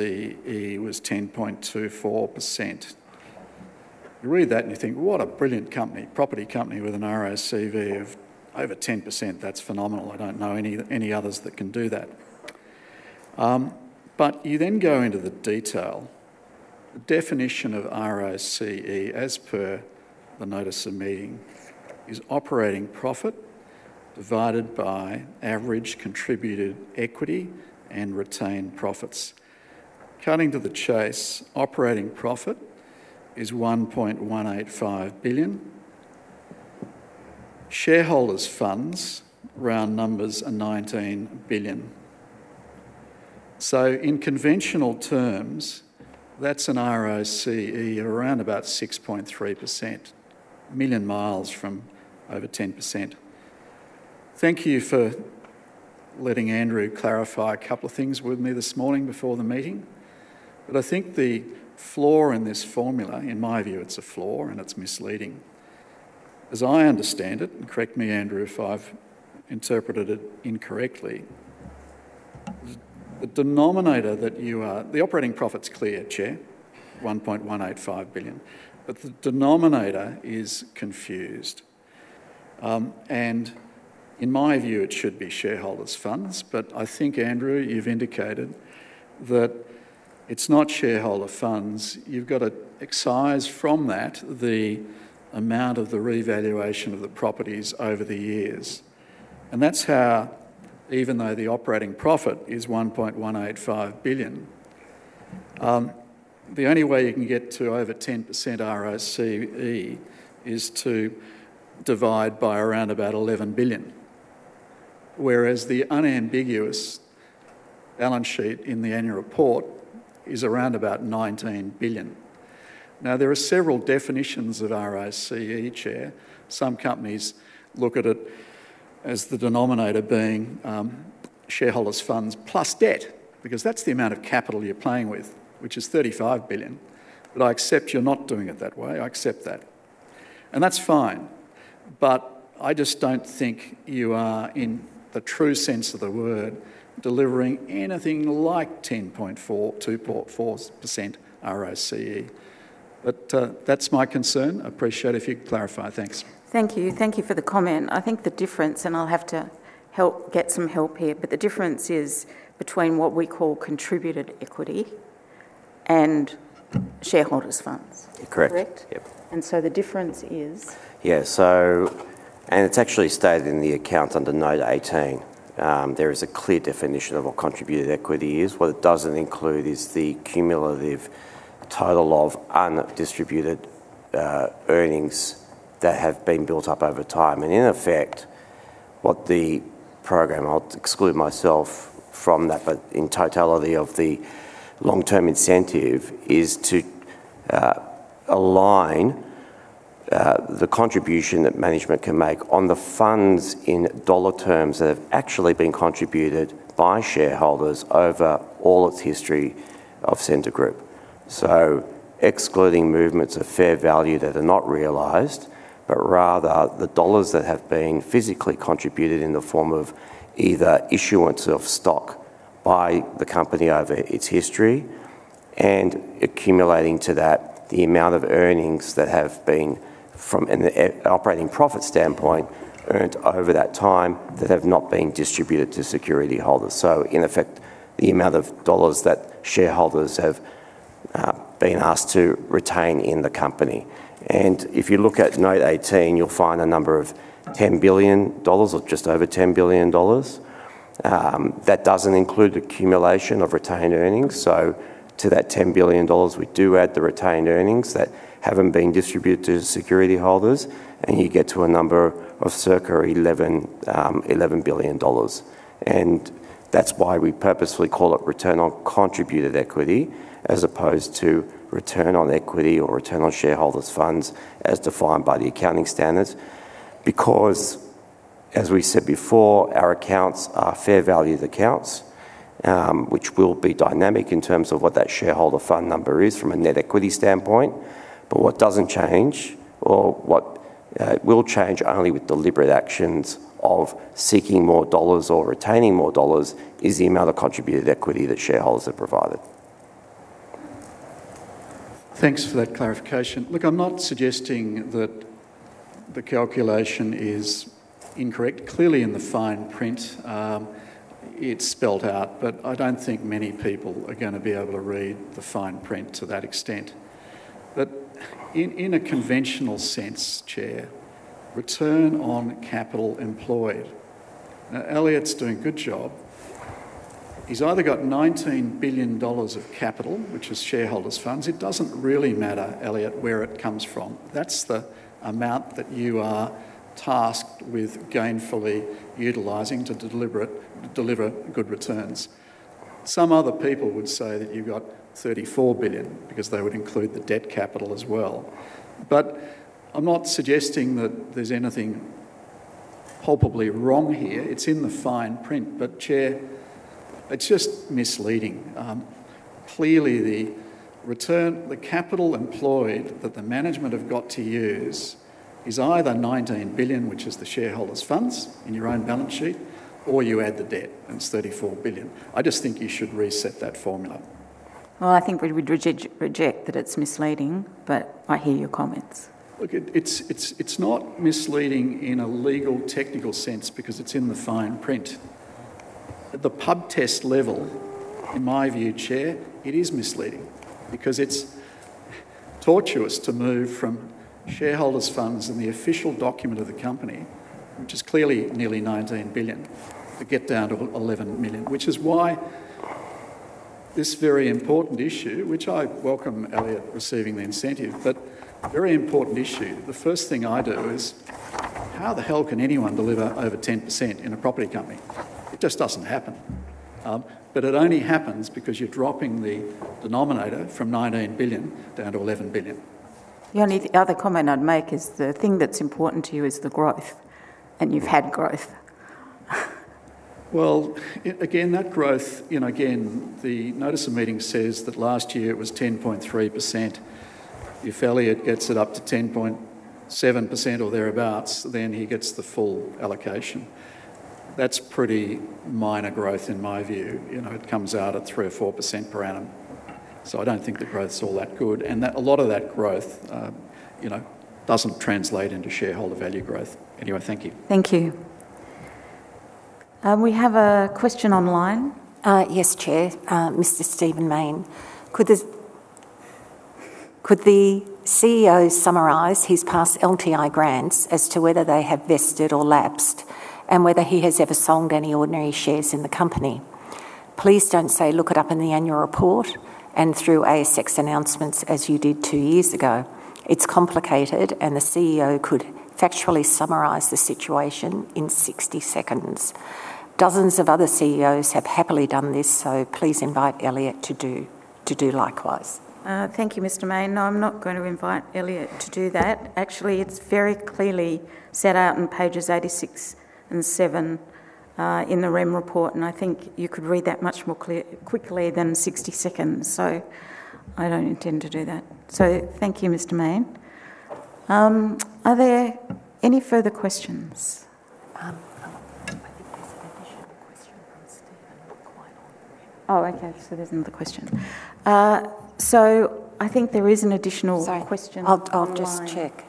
S5: was 10.24%. You read that and you think, "What a brilliant company. Property company with a ROCE of over 10%. That's phenomenal. I don't know any others that can do that." You then go into the detail. The definition of ROCE, as per the notice of meeting, is operating profit divided by average contributed equity and retained profits. Cutting to the chase, operating profit is 1.185 billion. Shareholders' funds, round numbers, are 19 billion. So in conventional terms, that's a ROCE around about 6.3%, a million miles from over 10%. Thank you for letting Andrew clarify a couple of things with me this morning before the meeting. I think the flaw in this formula, in my view, it's a flaw and it's misleading. As I understand it, and correct me, Andrew, if I've interpreted it incorrectly, the operating profit's clear, Chair, 1.185 billion, but the denominator is confused. In my view, it should be shareholders' funds. I think, Andrew, you've indicated that it's not shareholder funds. You've got to excise from that the amount of the revaluation of the properties over the years. That's how even though the operating profit is 1.185 billion, the only way you can get to over 10% ROCE is to divide by around about 11 billion. Whereas the unambiguous balance sheet in the annual report is around about 19 billion. Now, there are several definitions of ROCE, Chair. Some companies look at it as the denominator being shareholders' funds plus debt, because that's the amount of capital you're playing with, which is 35 billion. I accept you're not doing it that way. I accept that. That's fine. I just don't think you are, in the true sense of the word, delivering anything like 10.4%-2.4% ROCE. That's my concern. I appreciate if you could clarify. Thanks.
S1: Thank you. Thank you for the comment. I think the difference, and I'll have to get some help here, but the difference is between what we call contributed equity and shareholders' funds. Correct?
S3: Correct. Yep.
S1: The difference is?
S3: Yeah. It's actually stated in the accounts under Note 18. There is a clear definition of what contributed equity is. What it doesn't include is the cumulative total of undistributed earnings that have been built up over time. In effect, what the program, I'll exclude myself from that, but in totality of the long-term incentive is to align the contribution that management can make on the funds in dollar terms that have actually been contributed by shareholders over all its history of Scentre Group. Excluding movements of fair value that are not realized, but rather the dollars that have been physically contributed in the form of either issuance of stock by the company over its history and accumulating to that the amount of earnings that have been, from an operating profit standpoint, earned over that time that have not been distributed to security holders. In effect, the amount of dollars that shareholders have been asked to retain in the company. If you look at Note 18, you'll find a number of 10 billion dollars or just over 10 billion dollars. That doesn't include accumulation of retained earnings. To that 10 billion dollars, we do add the retained earnings that haven't been distributed to security holders, and you get to a number of circa 11 billion dollars. That's why we purposefully call it return on contributed equity as opposed to return on equity or return on shareholders' funds as defined by the accounting standards. Because, as we said before, our accounts are fair value accounts, which will be dynamic in terms of what that shareholder fund number is from a net equity standpoint. What doesn't change or what will change only with deliberate actions of seeking more dollars or retaining more dollars is the amount of contributed equity that shareholders have provided.
S5: Thanks for that clarification. Look, I'm not suggesting that the calculation is incorrect. Clearly in the fine print, it's spelled out, but I don't think many people are going to be able to read the fine print to that extent. In a conventional sense, Chair, return on capital employed. Now Elliott's doing a good job. He's either got 19 billion dollars of capital, which is shareholders' funds. It doesn't really matter, Elliott, where it comes from. That's the amount that you are tasked with gainfully utilizing to deliver good returns. Some other people would say that you got 34 billion because they would include the debt capital as well. I'm not suggesting that there's anything palpably wrong here. It's in the fine print. Chair, it's just misleading. Clearly, the capital employed that the management have got to use is either 19 billion, which is the shareholders' funds in your own balance sheet, or you add the debt, and it's 34 billion. I just think you should reset that formula.
S1: Well, I think we'd reject that it's misleading, but I hear your comments.
S5: Look, it's not misleading in a legal technical sense because it's in the fine print. At the pub test level, in my view, Chair, it is misleading because it's tortuous to move from shareholders' funds in the official document of the company, which is clearly nearly 19 billion, to get down to 11 million. Which is why this very important issue, which I welcome Elliott receiving the incentive, but very important issue. The first thing I do is how the hell can anyone deliver over 10% in a property company? It just doesn't happen. It only happens because you're dropping the denominator from 19 billion down to 11 billion.
S1: The only other comment I'd make is the thing that's important to you is the growth, and you've had growth.
S5: Well, again, that growth, again, the notice of meeting says that last year it was 10.3%. If Elliott gets it up to 10.7% or thereabouts, then he gets the full allocation. That's pretty minor growth in my view. It comes out at 3% or 4% per annum. I don't think the growth's all that good, and a lot of that growth doesn't translate into shareholder value growth. Anyway, thank you.
S1: Thank you. We have a question online.
S2: Yes, Chair. Mr. Stephen Mayne. Could the CEO summarize his past LTI grants as to whether they have vested or lapsed, and whether he has ever sold any ordinary shares in the company? Please don't say, "Look it up in the annual report and through ASX announcements," as you did two years ago. It's complicated, and the CEO could factually summarize the situation in 60 seconds. Dozens of other CEOs have happily done this, so please invite Elliott to do likewise.
S1: Thank you, Mr. Mayne. No, I'm not going to invite Elliott to do that. Actually, it's very clearly set out on pages 86 and 7 in the REM report, and I think you could read that much more quickly than 60 seconds. I don't intend to do that. Thank you, Mr. Mayne. Are there any further questions?
S2: I think there's an additional question from Stephen. Not quite.
S1: Oh, okay. There's another question. I think there is an additional question online.
S2: Sorry. I'll just check.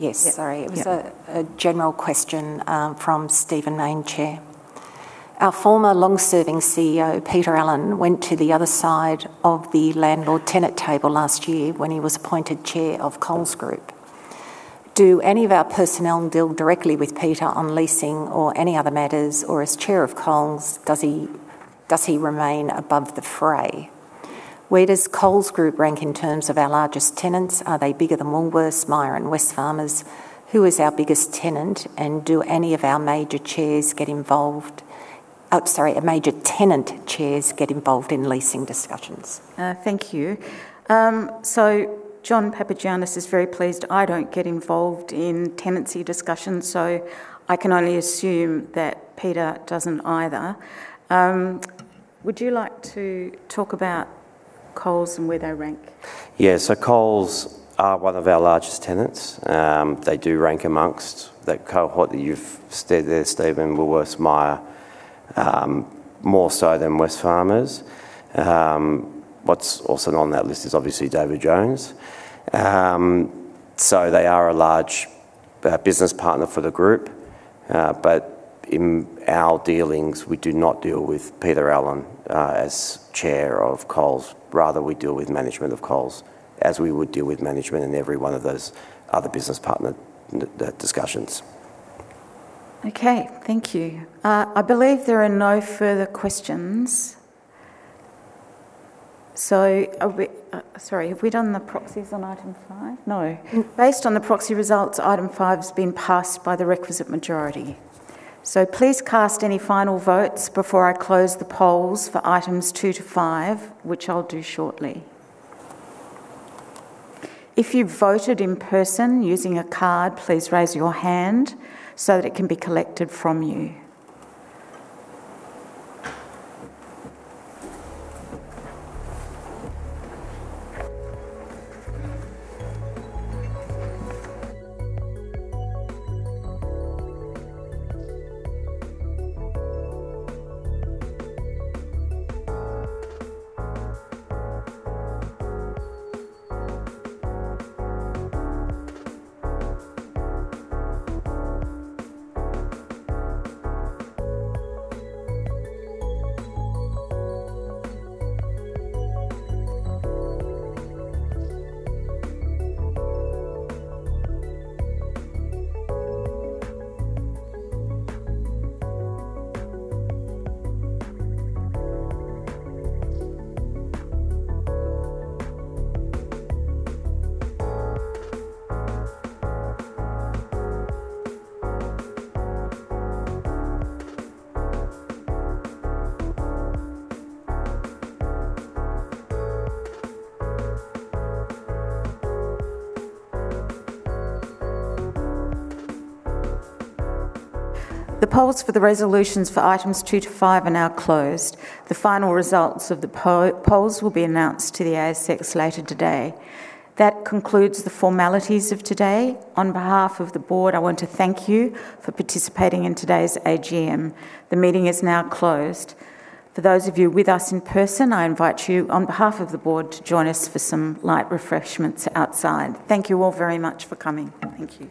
S2: Yes, sorry. It was a general question from Stephen Mayne, chair. Our former long-serving CEO, Peter Allen, went to the other side of the landlord-tenant table last year when he was appointed chair of Coles Group. Do any of our personnel deal directly with Peter on leasing or any other matters, or as chair of Coles, does he remain above the fray? Where does Coles Group rank in terms of our largest tenants? Are they bigger than Woolworths, Myer, and Wesfarmers? Who is our biggest tenant, and do any of our major tenant chairs get involved in leasing discussions?
S1: Thank you. John Papagiannis is very pleased I don't get involved in tenancy discussions, so I can only assume that Peter doesn't either. Would you like to talk about Coles and where they rank?
S3: Yeah. Coles are one of our largest tenants. They do rank amongst that cohort that you've stated there, Stephen, Woolworths, Myer, more so than Wesfarmers. What's also on that list is obviously David Jones. They are a large business partner for the group. In our dealings, we do not deal with Peter Allen as Chair of Coles. Rather, we deal with management of Coles, as we would deal with management in every one of those other business partner discussions.
S1: Okay. Thank you. I believe there are no further questions. Sorry, have we done the proxies on item five? No. Based on the proxy results, item five has been passed by the requisite majority. Please cast any final votes before I close the polls for items two to five, which I'll do shortly. If you've voted in person using a card, please raise your hand so that it can be collected from you. The polls for the resolutions for items two to five are now closed. The final results of the polls will be announced to the ASX later today. That concludes the formalities of today. On behalf of the board, I want to thank you for participating in today's AGM. The meeting is now closed. For those of you with us in person, I invite you, on behalf of the board, to join us for some light refreshments outside. Thank you all very much for coming. Thank you.